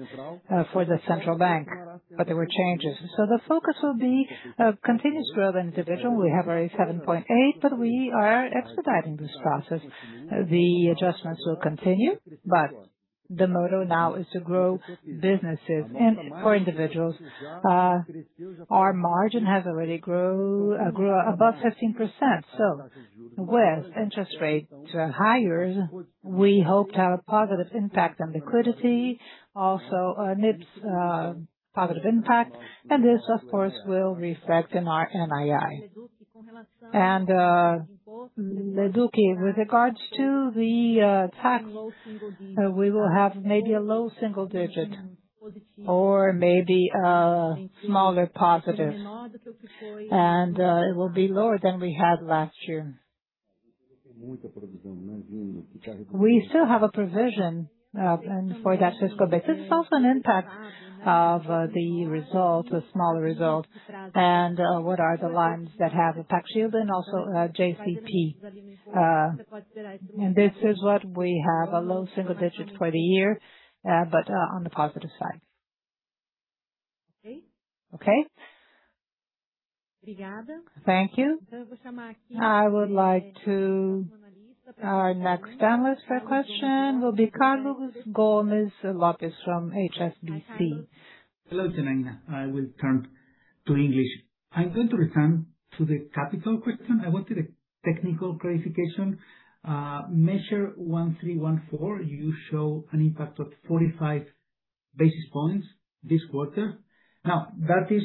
for the Central Bank. There were changes. The focus will be continuous growth individual. We have already 7.8%, but we are expediting this process. The adjustments will continue, but the motto now is to grow businesses. For individuals, our margin has already grow above 15%. With interest rates higher, we hope to have a positive impact on liquidity, also a NII, positive impact. This, of course, will reflect in our NII. Leduc, with regards to the tax, we will have maybe a low single digit or maybe a smaller positive. It will be lower than we had last year. We still have a provision and for that fiscal, but it's also an impact of the result, a small result. What are the lines that have a tax shield and also JCP. This is what we have a low single digit for the year, but on the positive side. Okay. Thank you. Our next analyst for question will be Carlos Gomez-Lopez from HSBC. Hello, Janaína. I will turn to English. I'm going to return to the capital question. I want the technical clarification. Measure one, three, one, four, you show an impact of 45 basis points this quarter. That is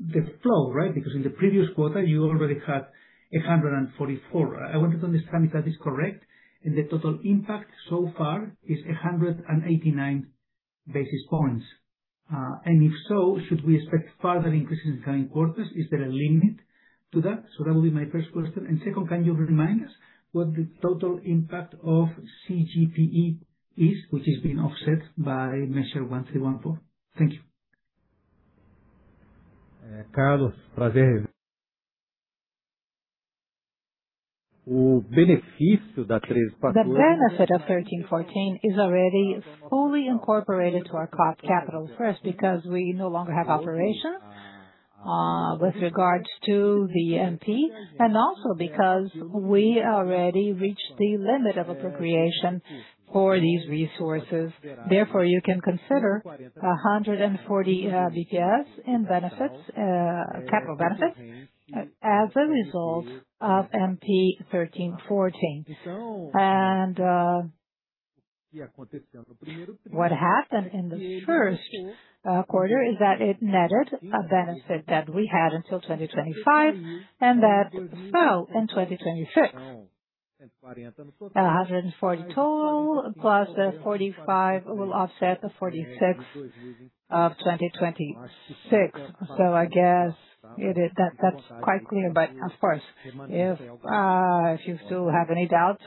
the flow, right? Because in the previous quarter, you already had 144. I wanted to understand if that is correct. The total impact so far is 189 basis points. If so, should we expect further increases in coming quarters? Is there a limit to that? That will be my first question. Second, can you remind us what the total impact of CGPE is, which is being offset by measure one, three, one, four? Thank you. The benefit of 1314 is already fully incorporated to our capital first because we no longer have operations with regards to the MP, and also because we already reached the limit of appropriation for these resources. Therefore, you can consider 140 basis points in benefits, capital benefits as a result of MP 1314. What happened in the first quarter is that it netted a benefit that we had until 2025, and that fell in 2026. 140 total plus 45 will offset the 46 of 2026. I guess that's quite clear. Of course, if you still have any doubts,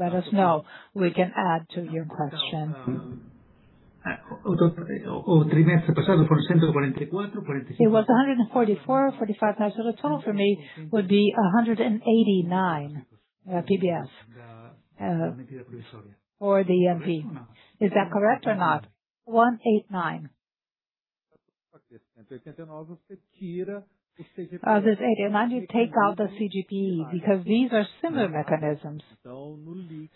let us know. We can add to your question. It was 144, 45 net zero total for me would be 189 basis points or the MP. Is that correct or not? 189. This 89, you take out the CGPE because these are similar mechanisms. In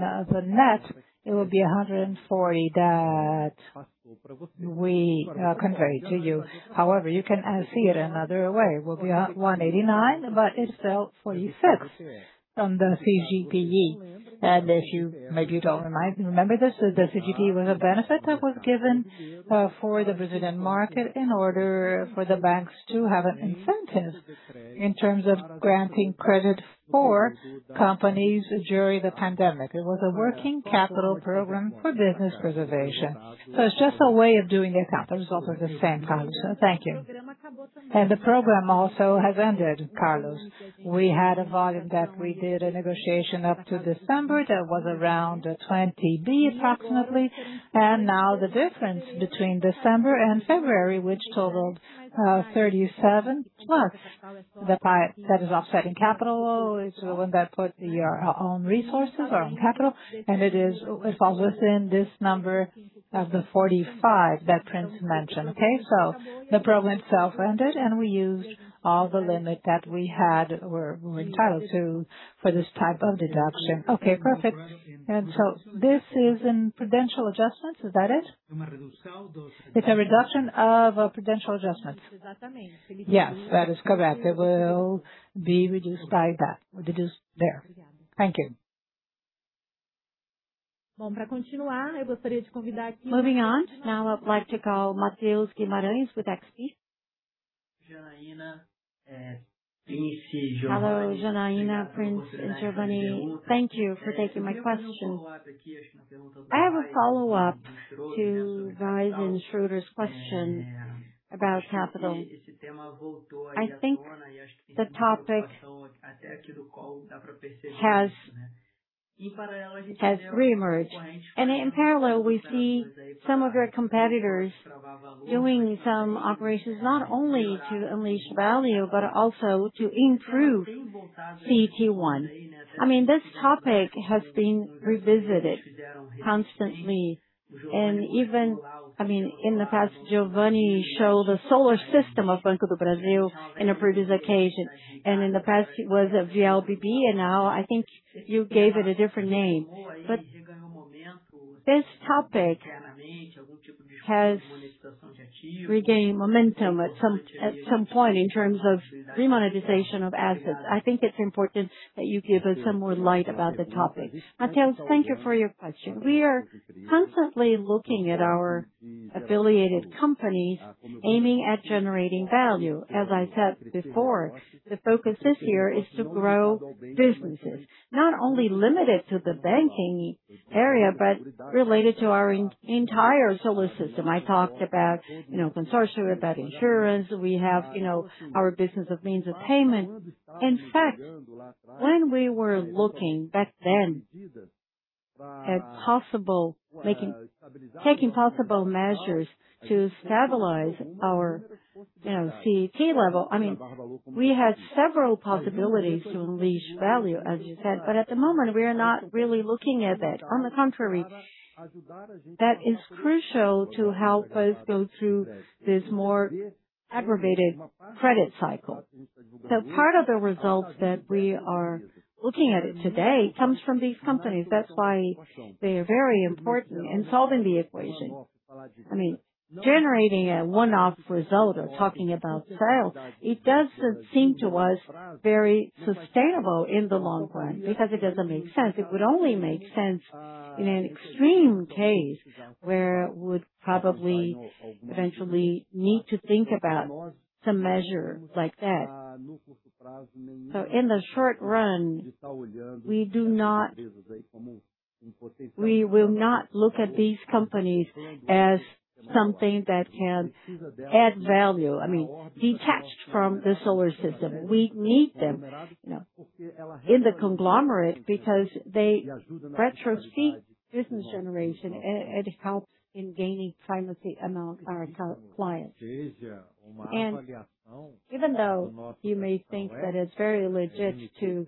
the net, it will be 140 that we convey to you. However, you can see it another way. It will be 189, but it fell 46 from the CGPE. If you maybe don't remember this, the CGPE was a benefit that was given for the Brazilian market in order for the banks to have an incentive in terms of granting credit for companies during the pandemic. It was a working capital program for business preservation. It's just a way of doing the math. The result is the same, Carlos. Thank you. The program also has ended, Carlos. We had a volume that we did a negotiation up to December that was around 20 billion approximately. Now the difference between December and February, which totaled 37 plus the pi-- that is offsetting capital, is the one that put the our own resources, our own capital. It falls within this number of the 45 that Prince mentioned. Okay. The program itself ended, and we used all the limit that we had or we're entitled to for this type of deduction. Okay, perfect. This is in prudential adjustments, is that it? It's a reduction of prudential adjustments. Yes, that is correct. It will be reduced by that. Reduced there. Thank you. Moving on. Now I'd like to call Matheus Guimarães with XP. Hello, Janaína, Prince, and Geovanne. Thank you for taking my question. I have a follow-up to Guy's and Schroden's question about capital. I think the topic has reemerged. In parallel, we see some of your competitors doing some operations, not only to unleash value, but also to improve CET1. I mean, this topic has been revisited constantly. Even, I mean, in the past, Geovanne showed a solar system of Banco do Brasil in a previous occasion, and in the past it was VLBB, and now I think you gave it a different name. This topic has regained momentum at some point in terms of remonetization of assets. I think it's important that you give us some more light about the topic. Matheus, thank you for your question. We are constantly looking at our affiliated companies aiming at generating value. As I said before, the focus this year is to grow businesses, not only limited to the banking area, but related to our entire solar system. I talked about, you know, consortium, about insurance. We have, you know, our business of means of payment. In fact, when we were looking back then at possible taking possible measures to stabilize our, you know, CET1 level, I mean, we had several possibilities to unleash value, as you said, at the moment, we are not really looking at that. On the contrary, that is crucial to help us go through this more aggravated credit cycle. Part of the results that we are looking at it today comes from these companies. That's why they are very important in solving the equation. I mean, generating a one-off result or talking about sales, it doesn't seem to us very sustainable in the long run because it doesn't make sense. It would only make sense in an extreme case where it would probably eventually need to think about some measure like that. In the short run, we will not look at these companies as something that can add value. I mean, detached from the solar system, we need them, you know, in the conglomerate because they retrofeed business generation and it helps in gaining primacy among our clients. Even though you may think that it's very legit to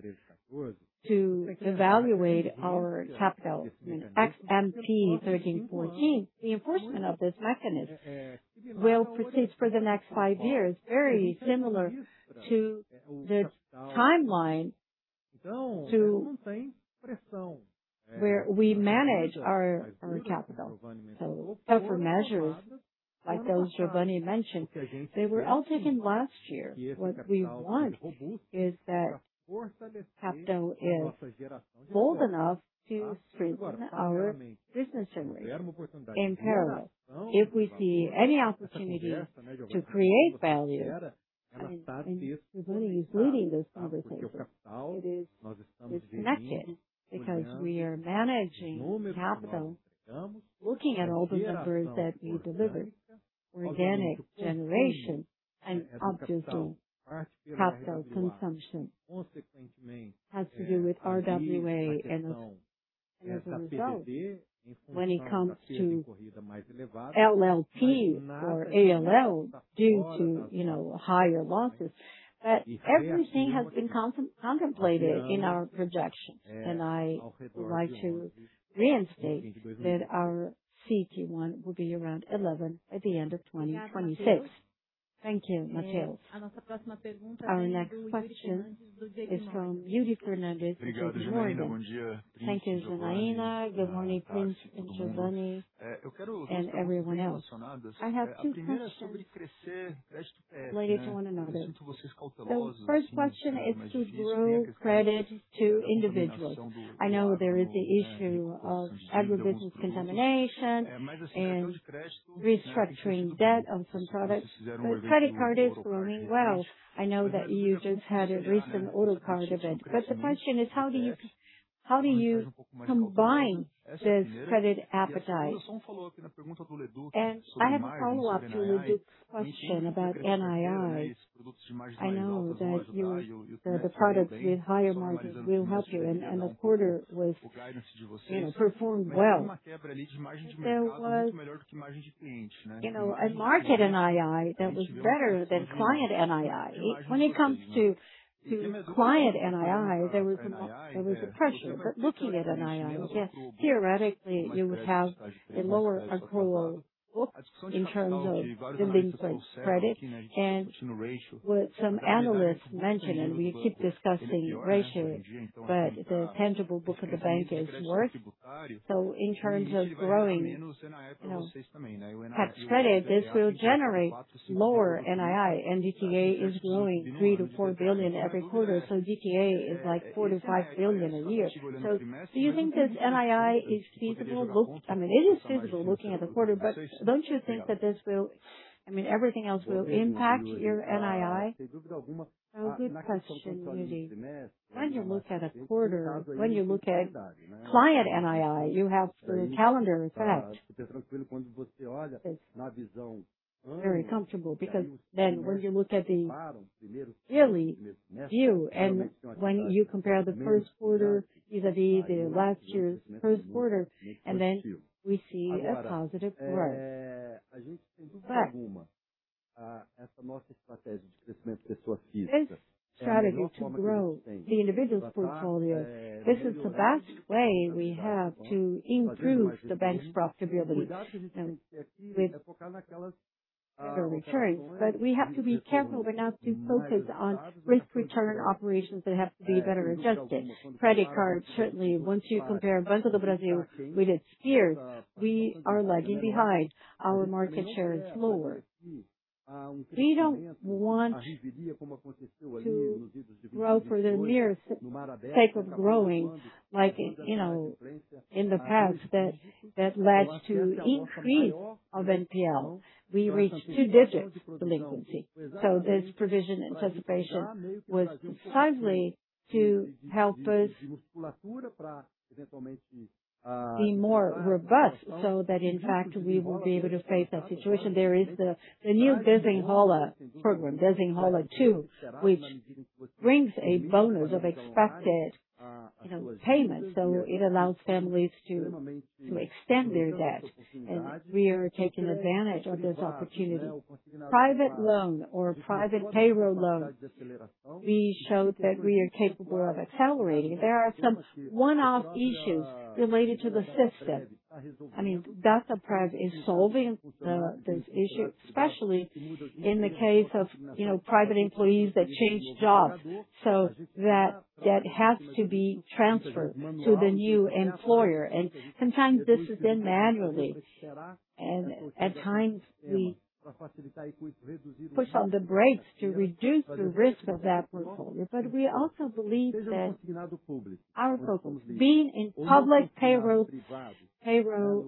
evaluate our capital, I mean, MP 1314, the enforcement of this mechanism will proceed for the next five years, very similar to the timeline to where we manage our capital. Upper measures like those Geovanne mentioned, they were all taken last year. What we want is that capital is bold enough to strengthen our business generation. In parallel, if we see any opportunity to create value, I mean, and Geovanne is leading this conversation, it is disconnected because we are managing capital, looking at all the numbers that we delivered, organic generation and optimal capital consumption has to do with RWA and as a result, when it comes to LLP or ALL due to, you know, higher losses. Everything has been contemplated in our projections, and I would like to reinstate that our CET1 will be around 11% at the end of 2026. Thank you, Matheus. Our next question is from Yuri Fernandes of JPMorgan. Thank you, Janaína, Geovanne, Prince, and Geovanne, and everyone else. I have two questions related to one another. The first question is to grow credit to individuals. I know there is the issue of agribusiness contamination and restructuring debt on some products, but credit card is growing well. I know that you just had a recent Ourocard event. The question is, how do you combine this credit appetite? I have a follow-up to Leduc's question about NII. I know that you, the products with higher margins will help you and the quarter was, you know, performed well. There was, you know, a market NII that was better than client NII. When it comes to client NII, there was a pressure. Looking at NII, again, theoretically, you would have a lower accrual book in terms of things like credit. What some analysts mention, we keep discussing ratios, the tangible book of the bank is worth. In terms of growing, you know, tax credit, this will generate lower NII. DTA is growing 3 billion-4 billion every quarter, DTA is like 4 billion-5 billion a year. Do you think this NII is feasible? I mean, it is feasible looking at the quarter, don't you think that this will, I mean, everything else will impact your NII? Good question, Yuri. When you look at a quarter, when you look at client NII, you have the calendar effect. It's very comfortable because when you look at the yearly view and when you compare the first quarter vis-à-vis the last year's first quarter, we see a positive growth. This strategy to grow the individual's portfolio, this is the best way we have to improve the bank's profitability and with the returns. We have to be careful but not too focused on risk return operations that have to be better adjusted. Credit cards, certainly, once you compare Banco do Brasil with its peers, we are lagging behind. Our market share is lower. We don't want to grow for the mere sake of growing like, you know, in the past that led to increase of NPL. We reached two digits delinquency. This provision anticipation was precisely to help us be more robust so that, in fact, we will be able to face that situation. There is the new Desenrola program, Desenrola 2, which brings a bonus of expected, you know, payment. It allows families to extend their debt, and we are taking advantage of this opportunity. Private loan or private payroll loan, we showed that we are capable of accelerating. There are some one-off issues related to the system. I mean, Dataprev is solving this issue, especially in the case of, you know, private employees that change jobs. That has to be transferred to the new employer. Sometimes this is done manually. At times, we push on the brakes to reduce the risk of that portfolio. We also believe that our focus being in public payroll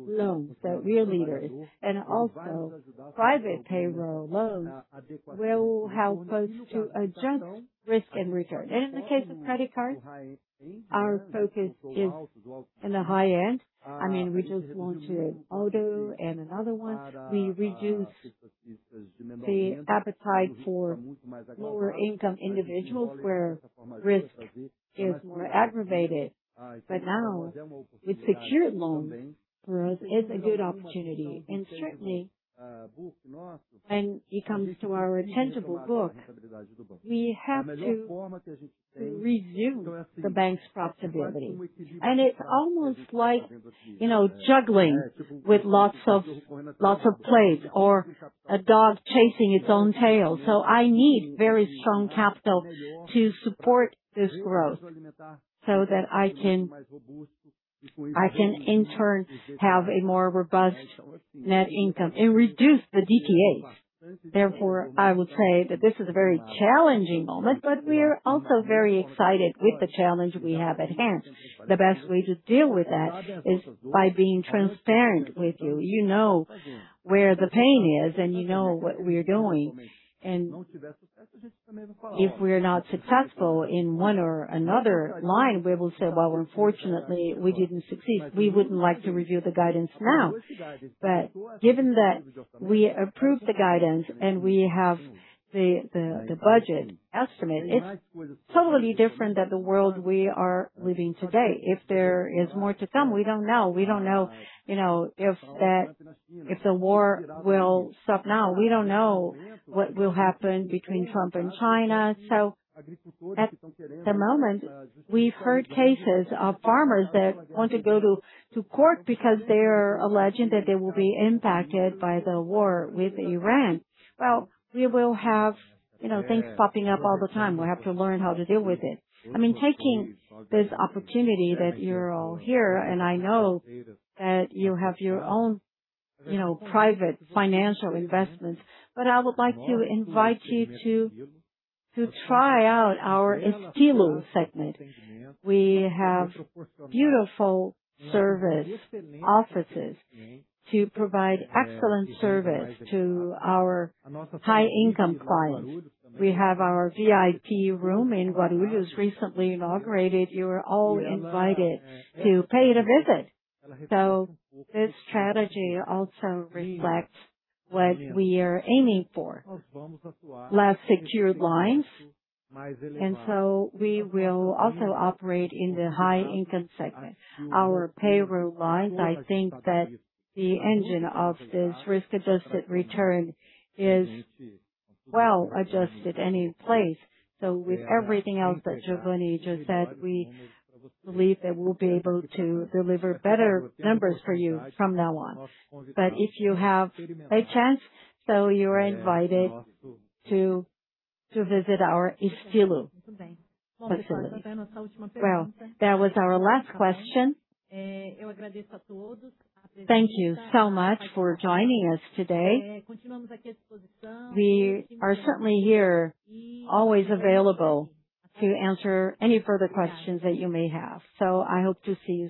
loans that we are leaders and also private payroll loans will help us to adjust risk and return. In the case of credit cards, our focus is in the high end. I mean, we just launched an Estilo and another one. We reduced the appetite for lower income individuals where risk is more aggravated. Now, with secured loans, for us, it's a good opportunity. Certainly, when it comes to our tangible book, we have to reduce the bank's profitability. It's almost like, you know, juggling with lots of plates or a dog chasing its own tail. I need very strong capital to support this growth so that I can in turn have a more robust net income and reduce the DTAs. Therefore, I will say that this is a very challenging moment, but we are also very excited with the challenge we have at hand. The best way to deal with that is by being transparent with you. You know where the pain is, and you know what we are doing. If we are not successful in one or another line, we will say, "Well, unfortunately, we didn't succeed." We wouldn't like to review the guidance now. Given that we approved the guidance and we have the budget estimate, it's totally different than the world we are living today. If there is more to come, we don't know. We don't know, you know, if the war will stop now. We don't know what will happen between Trump and China. At the moment, we've heard cases of farmers that want to go to court because they're alleging that they will be impacted by the war with Iran. Well, we will have, you know, things popping up all the time. We have to learn how to deal with it. I mean, taking this opportunity that you're all here, and I know that you have your own, you know, private financial investments, but I would like to invite you to try out our Estilo segment. We have beautiful service offices to provide excellent service to our high income clients. We have our VIP room in Guarulhos recently inaugurated. You are all invited to pay it a visit. This strategy also reflects what we are aiming for. Less secured lines, and so we will also operate in the high income segment. Our payroll lines, I think that the engine of this risk-adjusted return is well adjusted any place. With everything else that Geovanne just said, we believe that we'll be able to deliver better numbers for you from now on. If you have a chance, so you're invited to visit our Estilo facility. Well, that was our last question. Thank you so much for joining us today. We are certainly here, always available to answer any further questions that you may have. I hope to see you-